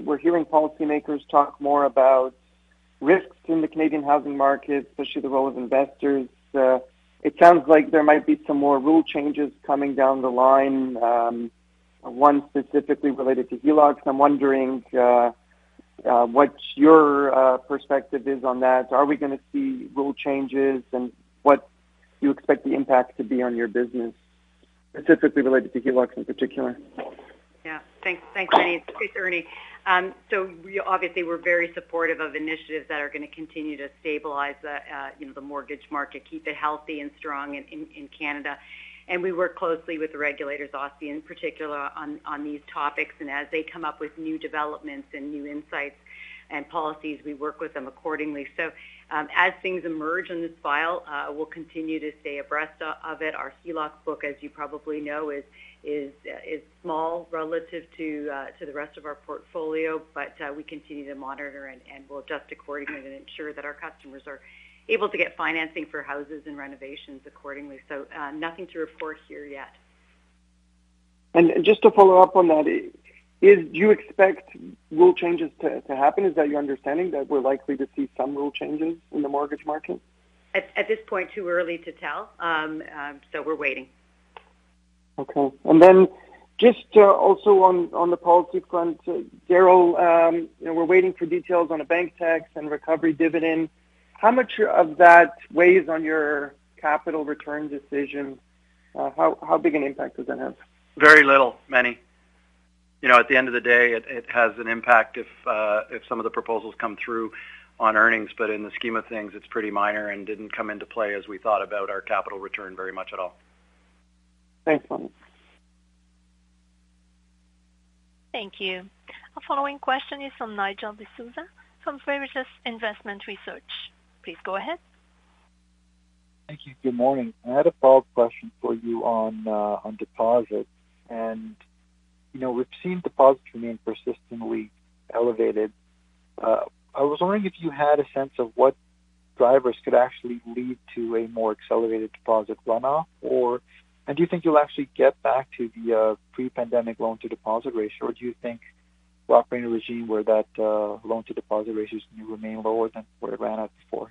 We're hearing policymakers talk more about risks in the Canadian housing market, especially the role of investors. It sounds like there might be some more rule changes coming down the line, one specifically related to HELOCs. I'm wondering what your perspective is on that. Are we gonna see rule changes, and what do you expect the impact to be on your business, specifically related to HELOCs in particular? Yeah. Thanks. Thanks, Meny. It's Ernie. We obviously, we're very supportive of initiatives that are gonna continue to stabilize the, you know, the mortgage market, keep it healthy and strong in Canada. We work closely with the regulators, OSFI in particular, on these topics. As they come up with new developments and new insights and policies, we work with them accordingly. As things emerge in this file, we'll continue to stay abreast of it. Our HELOC book, as you probably know, is small relative to the rest of our portfolio. But we continue to monitor and we'll adjust accordingly and ensure that our customers are able to get financing for houses and renovations accordingly. Nothing to report here yet. Just to follow up on that, do you expect rule changes to happen? Is that your understanding that we're likely to see some rule changes in the mortgage market? At this point, too early to tell. We're waiting. Okay. Just also on the policy front, Darryl, you know, we're waiting for details on a bank tax and recovery dividend. How much of that weighs on your capital return decision? How big an impact does that have? Very little, Meny. You know, at the end of the day, it has an impact if some of the proposals come through on earnings. In the scheme of things, it's pretty minor and didn't come into play as we thought about our capital return very much at all. Thanks, Meny. Thank you. Our following question is from Nigel D'Souza from Veritas Investment Research. Please go ahead. Thank you. Good morning. I had a follow-up question for you on deposit. You know, we've seen deposit remain persistently elevated. I was wondering if you had a sense of what drivers could actually lead to a more accelerated deposit runoff, or do you think you'll actually get back to the pre-pandemic loan to deposit ratio, or do you think we're operating in a regime where that loan to deposit ratios may remain lower than where it ran out before?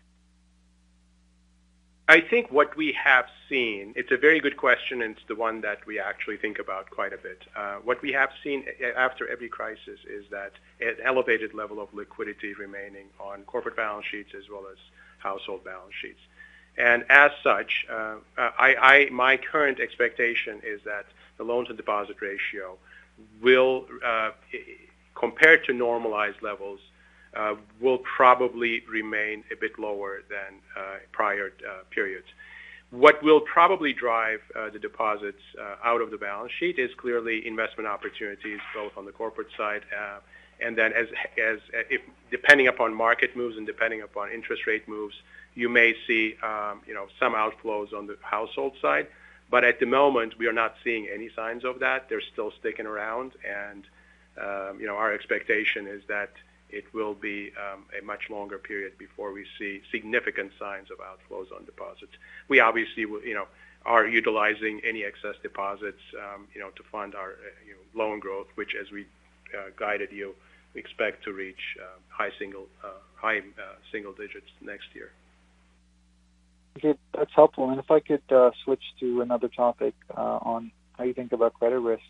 It's a very good question, and it's the one that we actually think about quite a bit. What we have seen after every crisis is that an elevated level of liquidity remaining on corporate balance sheets as well as household balance sheets. As such, my current expectation is that the loans and deposit ratio will, compared to normalized levels, will probably remain a bit lower than, prior, periods. What will probably drive, the deposits, out of the balance sheet is clearly investment opportunities both on the corporate side, and then as if, depending upon market moves and depending upon interest rate moves, you may see, you know, some outflows on the household side. At the moment, we are not seeing any signs of that. They're still sticking around. Our expectation is that it will be a much longer period before we see significant signs of outflows on deposits. We obviously are utilizing any excess deposits to fund our loan growth, which as we guided you, we expect to reach high single digits next year. Okay. That's helpful. If I could switch to another topic on how you think about credit risk.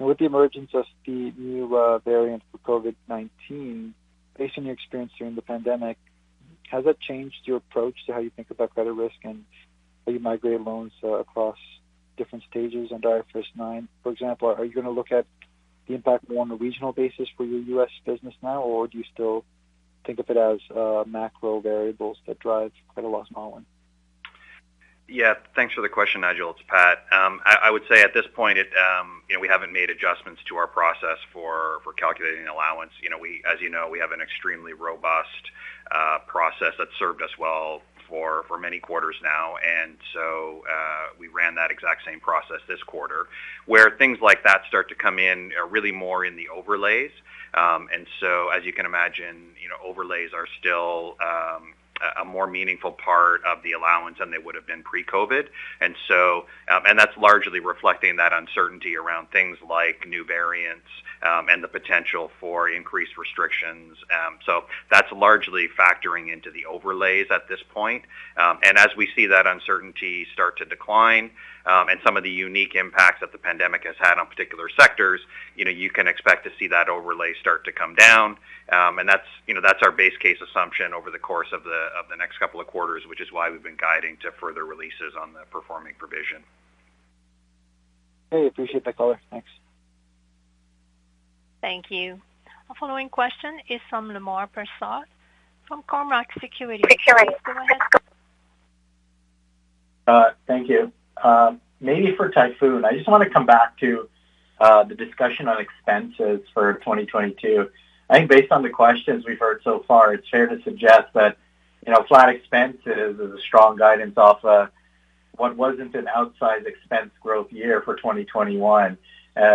With the emergence of the new variant for COVID-19, based on your experience during the pandemic, has that changed your approach to how you think about credit risk and how you migrate loans across different stages under IFRS 9? For example, are you going to look at the impact more on a regional basis for your U.S. business now, or do you still think of it as macro variables that drive credit loss modeling? Yeah. Thanks for the question, Nigel D'Souza. It's Pat Cronin. I would say at this point, you know, we haven't made adjustments to our process for calculating allowance. You know, as you know, we have an extremely robust process that served us well for many quarters now. We ran that exact same process this quarter. Where things like that start to come in are really more in the overlays. As you can imagine, you know, overlays are still a more meaningful part of the allowance than they would have been pre-COVID. That's largely reflecting that uncertainty around things like new variants and the potential for increased restrictions. That's largely factoring into the overlays at this point. As we see that uncertainty start to decline, and some of the unique impacts that the pandemic has had on particular sectors, you know, you can expect to see that overlay start to come down. That's our base case assumption over the course of the next couple of quarters, which is why we've been guiding to further releases on the performing provision. Okay. Appreciate the color. Thanks. Thank you. Our following question is from Lemar Persaud from Cormark Securities. Go ahead. Thank you. Maybe for Tayfun. I just want to come back to the discussion on expenses for 2022. I think based on the questions we've heard so far, it's fair to suggest that, you know, flat expenses is a strong guidance off what wasn't an outsized expense growth year for 2021,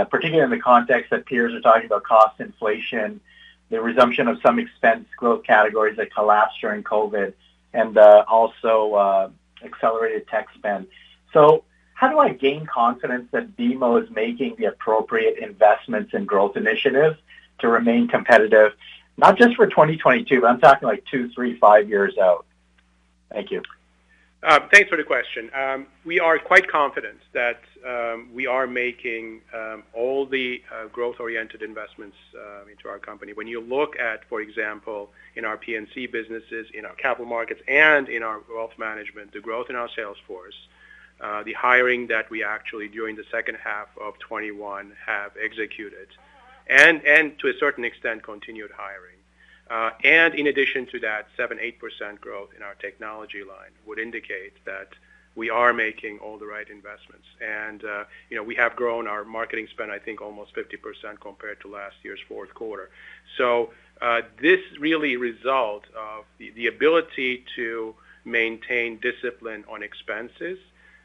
particularly in the context that peers are talking about cost inflation, the resumption of some expense growth categories that collapsed during COVID, and also accelerated tech spend. How do I gain confidence that BMO is making the appropriate investments in growth initiatives to remain competitive, not just for 2022, but I'm talking like 2, 3, 5 years out. Thank you. Thanks for the question. We are quite confident that we are making all the growth-oriented investments into our company. When you look at, for example, in our P&C businesses, in our capital markets, and in our wealth management, the growth in our sales force, the hiring that we actually during the second half of 2021 have executed, and to a certain extent, continued hiring. In addition to that, 7%-8% growth in our technology line would indicate that we are making all the right investments. You know, we have grown our marketing spend, I think almost 50% compared to last year's fourth quarter. This is really a result of the ability to maintain discipline on expenses.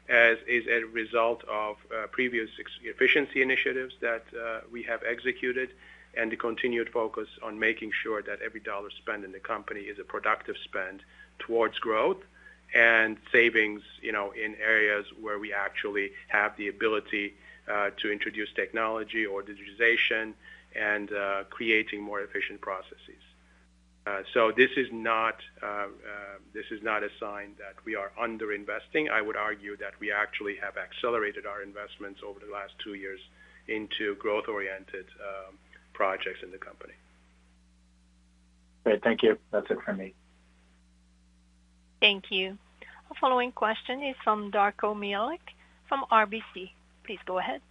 This is a result of previous efficiency initiatives that we have executed and the continued focus on making sure that every dollar spent in the company is a productive spend towards growth and savings, you know, in areas where we actually have the ability to introduce technology or digitization and creating more efficient processes. This is not a sign that we are underinvesting. I would argue that we actually have accelerated our investments over the last two years into growth-oriented projects in the company. Great. Thank you. That's it for me. Thank you. Our following question is from Darko Mihelic from RBC. Please go ahead.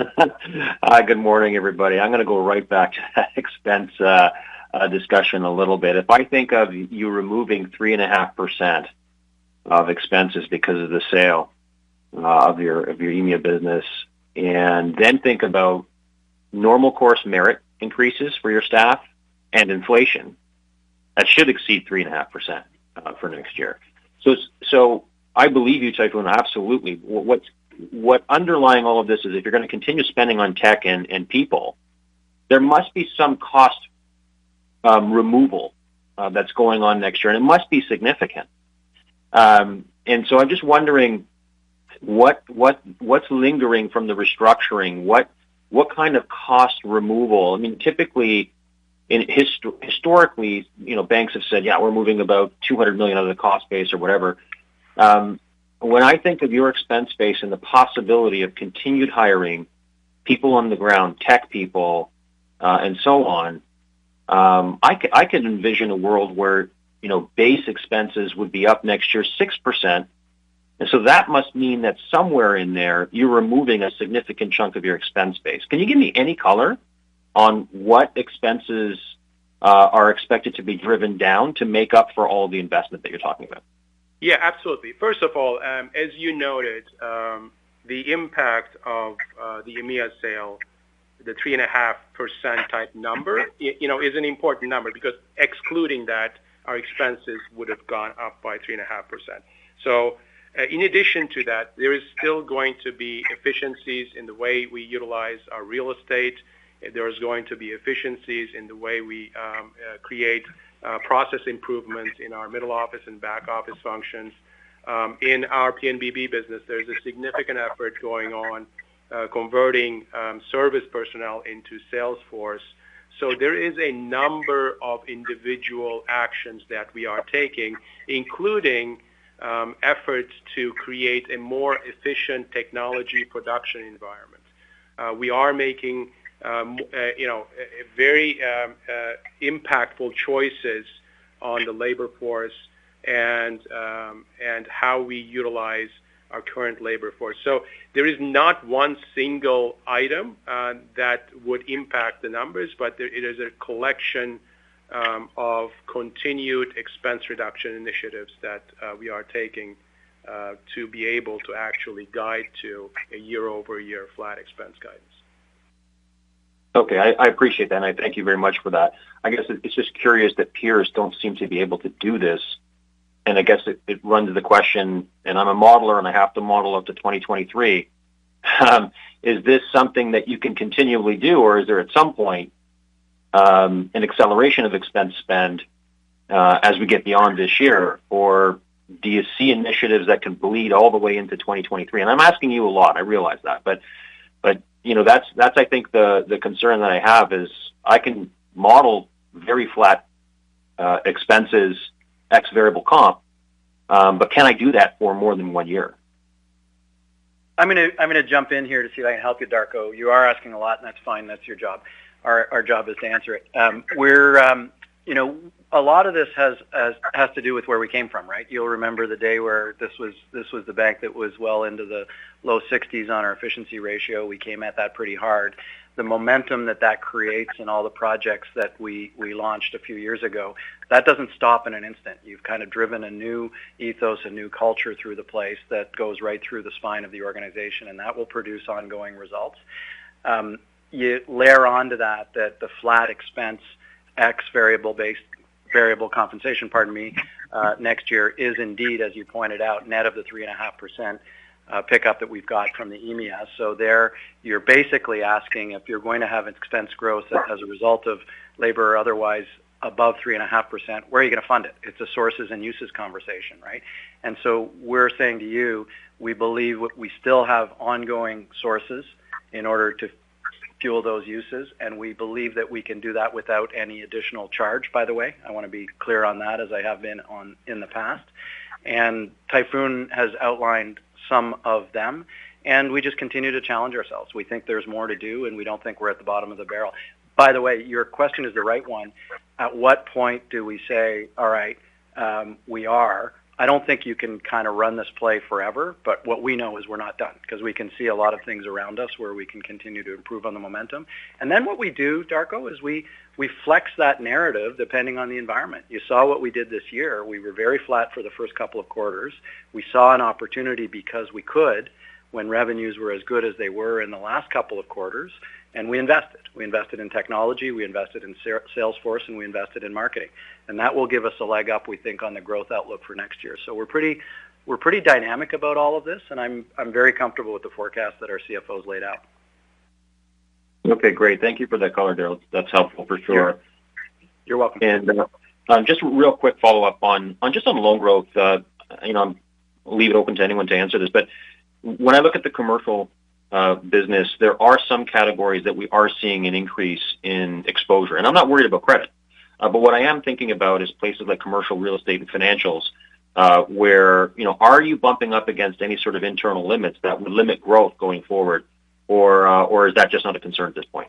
Hi, good morning, everybody. I'm going to go right back to that expense discussion a little bit. If I think of you removing 3.5% of expenses because of the sale of your EMEA business and then think about normal course merit increases for your staff and inflation, that should exceed 3.5% for next year. I believe you, Tayfun, absolutely. What's underlying all of this is if you're going to continue spending on tech and people, there must be some cost removal that's going on next year, and it must be significant. I'm just wondering what's lingering from the restructuring? What kind of cost removal? I mean, typically historically, you know, banks have said, "Yeah, we're moving about 200 million out of the cost base or whatever." When I think of your expense base and the possibility of continued hiring people on the ground, tech people, and so on, I can envision a world where, you know, base expenses would be up next year 6%. That must mean that somewhere in there, you're removing a significant chunk of your expense base. Can you give me any color on what expenses are expected to be driven down to make up for all the investment that you're talking about? Yeah, absolutely. First of all, as you noted, the impact of the EMEA sale, the 3.5% type number, you know, is an important number because excluding that, our expenses would have gone up by 3.5%. In addition to that, there is still going to be efficiencies in the way we utilize our real estate. There is going to be efficiencies in the way we create process improvements in our middle office and back office functions. In our P&BB business, there's a significant effort going on converting service personnel into sales force. There is a number of individual actions that we are taking, including efforts to create a more efficient technology production environment. We are making, you know, very impactful choices on the labor force and how we utilize our current labor force. There is not one single item that would impact the numbers, but it is a collection of continued expense reduction initiatives that we are taking to be able to actually guide to a year-over-year flat expense guidance. Okay. I appreciate that, and I thank you very much for that. I guess it's just curious that peers don't seem to be able to do this. I guess it raises the question, and I'm a modeler, and I have to model up to 2023, is this something that you can continually do? Or is there at some point an acceleration of expense spend as we get beyond this year? Or do you see initiatives that can bleed all the way into 2023? I'm asking you a lot, I realize that, but you know, that's I think the concern that I have is I can model very flat expenses, excluding variable comp, but can I do that for more than one year? I'm gonna jump in here to see if I can help you, Darko. You are asking a lot, and that's fine. That's your job. Our job is to answer it. You know, a lot of this has to do with where we came from, right? You'll remember the day where this was the bank that was well into the low 60s% on our efficiency ratio. We came at that pretty hard. The momentum that creates and all the projects that we launched a few years ago, that doesn't stop in an instant. You've kind of driven a new ethos, a new culture through the place that goes right through the spine of the organization, and that will produce ongoing results. You layer on to that the flat variable compensation next year is indeed, as you pointed out, net of the 3.5% pickup that we've got from the EMEA. There, you're basically asking if you're going to have expense growth as a result of labor or otherwise above 3.5%, where are you going to fund it? It's a sources and uses conversation, right? We're saying to you, we believe we still have ongoing sources in order to fuel those uses, and we believe that we can do that without any additional charge, by the way. I want to be clear on that as I have been on it in the past. Tayfun has outlined some of them, and we just continue to challenge ourselves. We think there's more to do, and we don't think we're at the bottom of the barrel. By the way, your question is the right one. At what point do we say, all right, we are. I don't think you can kind of run this play forever, but what we know is we're not done because we can see a lot of things around us where we can continue to improve on the momentum. Then what we do, Darko, is we flex that narrative depending on the environment. You saw what we did this year. We were very flat for the first couple of quarters. We saw an opportunity because we could when revenues were as good as they were in the last couple of quarters, and we invested. We invested in technology, we invested in sales force, and we invested in marketing. That will give us a leg up, we think, on the growth outlook for next year. We're pretty dynamic about all of this, and I'm very comfortable with the forecast that our CFOs laid out. Okay, great. Thank you for that color, Darryl. That's helpful for sure. You're welcome. Just real quick follow-up on just loan growth. You know, I'll leave it open to anyone to answer this. When I look at the commercial business, there are some categories that we are seeing an increase in exposure. I'm not worried about credit. What I am thinking about is places like commercial real estate and financials, where, you know, are you bumping up against any sort of internal limits that would limit growth going forward or is that just not a concern at this point?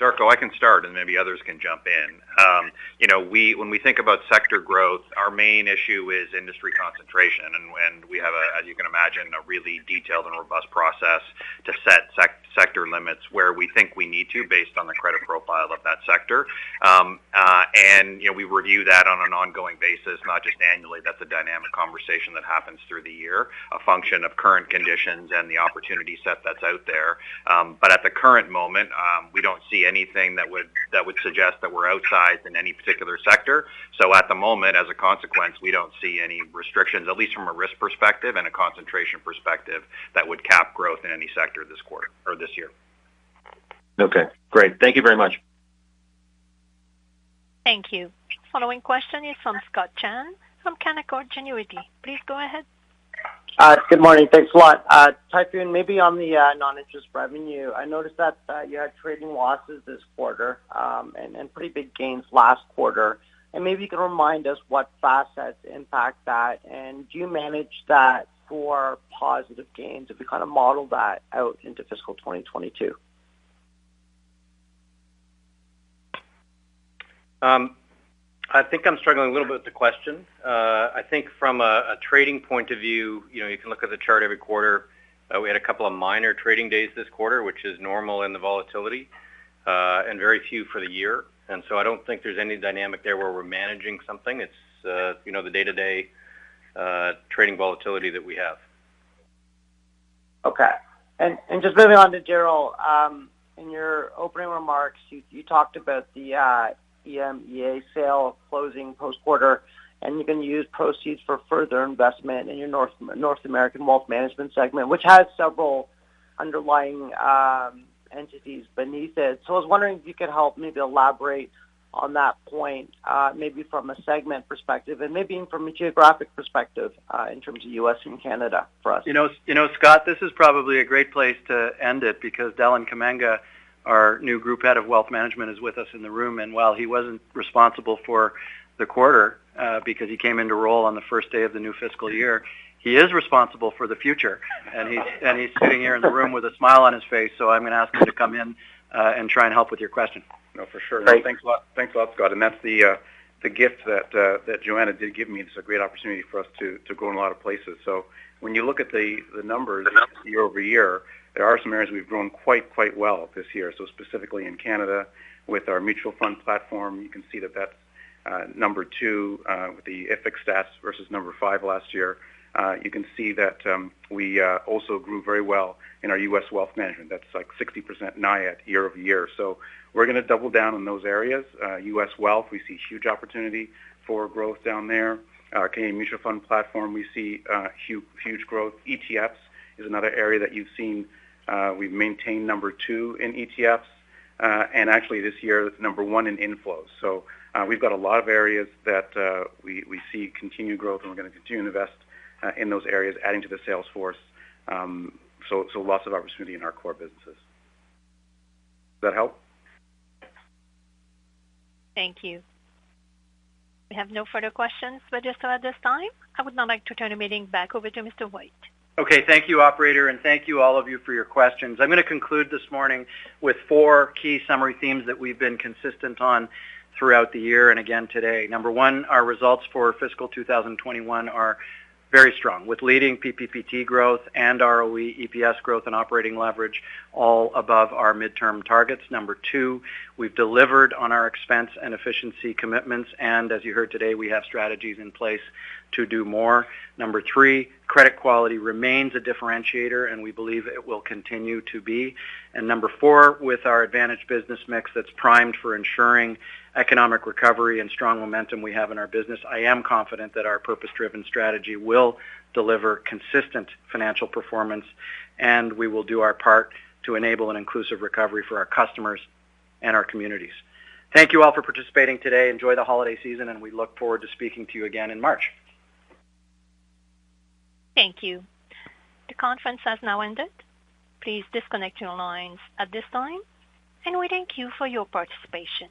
Darko, I can start, and maybe others can jump in. When we think about sector growth, our main issue is industry concentration. We have, as you can imagine, a really detailed and robust process to set sector limits where we think we need to based on the credit profile of that sector. You know, we review that on an ongoing basis, not just annually. That's a dynamic conversation that happens through the year, a function of current conditions and the opportunity set that's out there. At the current moment, we don't see anything that would suggest that we're outsized in any particular sector. At the moment, as a consequence, we don't see any restrictions, at least from a risk perspective and a concentration perspective, that would cap growth in any sector this quarter or this year. Okay, great. Thank you very much. Thank you. Following question is from Scott Chan from Canaccord Genuity. Please go ahead. Good morning. Thanks a lot. Tayfun, maybe on the non-interest revenue, I noticed that you had trading losses this quarter, and pretty big gains last quarter. Maybe you can remind us what factors have impacted that, and do you manage that for positive gains if we kind of model that out into fiscal 2022? I think I'm struggling a little bit with the question. I think from a trading point of view, you know, you can look at the chart every quarter. We had a couple of minor trading days this quarter, which is normal in the volatility, and very few for the year. I don't think there's any dynamic there where we're managing something. It's, you know, the day-to-day trading volatility that we have. Okay. Just moving on to Darryl. In your opening remarks, you talked about the EMEA sale closing post-quarter, and you're gonna use proceeds for further investment in your North American Wealth Management segment, which has several underlying entities beneath it. I was wondering if you could help maybe elaborate on that point, maybe from a segment perspective and maybe from a geographic perspective, in terms of U.S. and Canada for us. You know, Scott, this is probably a great place to end it because Deland Kamanga, our new Group Head of Wealth Management, is with us in the room. While he wasn't responsible for the quarter, because he came into role on the first day of the new fiscal year, he is responsible for the future. He's sitting here in the room with a smile on his face. I'm going to ask him to come in and try and help with your question. No, for sure. Great. Thanks a lot. Thanks a lot, Scott. That's the gift that Joanna did give me. It's a great opportunity for us to go in a lot of places. When you look at the numbers year-over-year, there are some areas we've grown quite well this year. Specifically in Canada with our mutual fund platform, you can see that that's number 2 with the IFIC stats versus number 5 last year. You can see that we also grew very well in our U.S. wealth management. That's like 60% NIAT year-over-year. We're gonna double down on those areas. U.S. wealth, we see huge opportunity for growth down there. Our Canadian mutual fund platform, we see huge growth. ETFs is another area that you've seen. We've maintained number 2 in ETFs. Actually this year, number 1 in inflows. We've got a lot of areas that we see continued growth, and we're gonna continue to invest in those areas, adding to the sales force. Lots of opportunity in our core businesses. Does that help? Thank you. We have no further questions registered at this time. I would now like to turn the meeting back over to Mr. White. Okay. Thank you, operator, and thank you all of you for your questions. I'm going to conclude this morning with four key summary themes that we've been consistent on throughout the year and again today. Number 1, our results for fiscal 2021 are very strong, with leading PPPT growth and ROE, EPS growth and operating leverage all above our midterm targets. Number 2, we've delivered on our expense and efficiency commitments, and as you heard today, we have strategies in place to do more. Number 3, credit quality remains a differentiator, and we believe it will continue to be. Number 4, with our advantage business mix that's primed for ensuring economic recovery and strong momentum we have in our business, I am confident that our purpose-driven strategy will deliver consistent financial performance, and we will do our part to enable an inclusive recovery for our customers and our communities. Thank you all for participating today. Enjoy the holiday season, and we look forward to speaking to you again in March. Thank you. The conference has now ended. Please disconnect your lines at this time, and we thank you for your participation.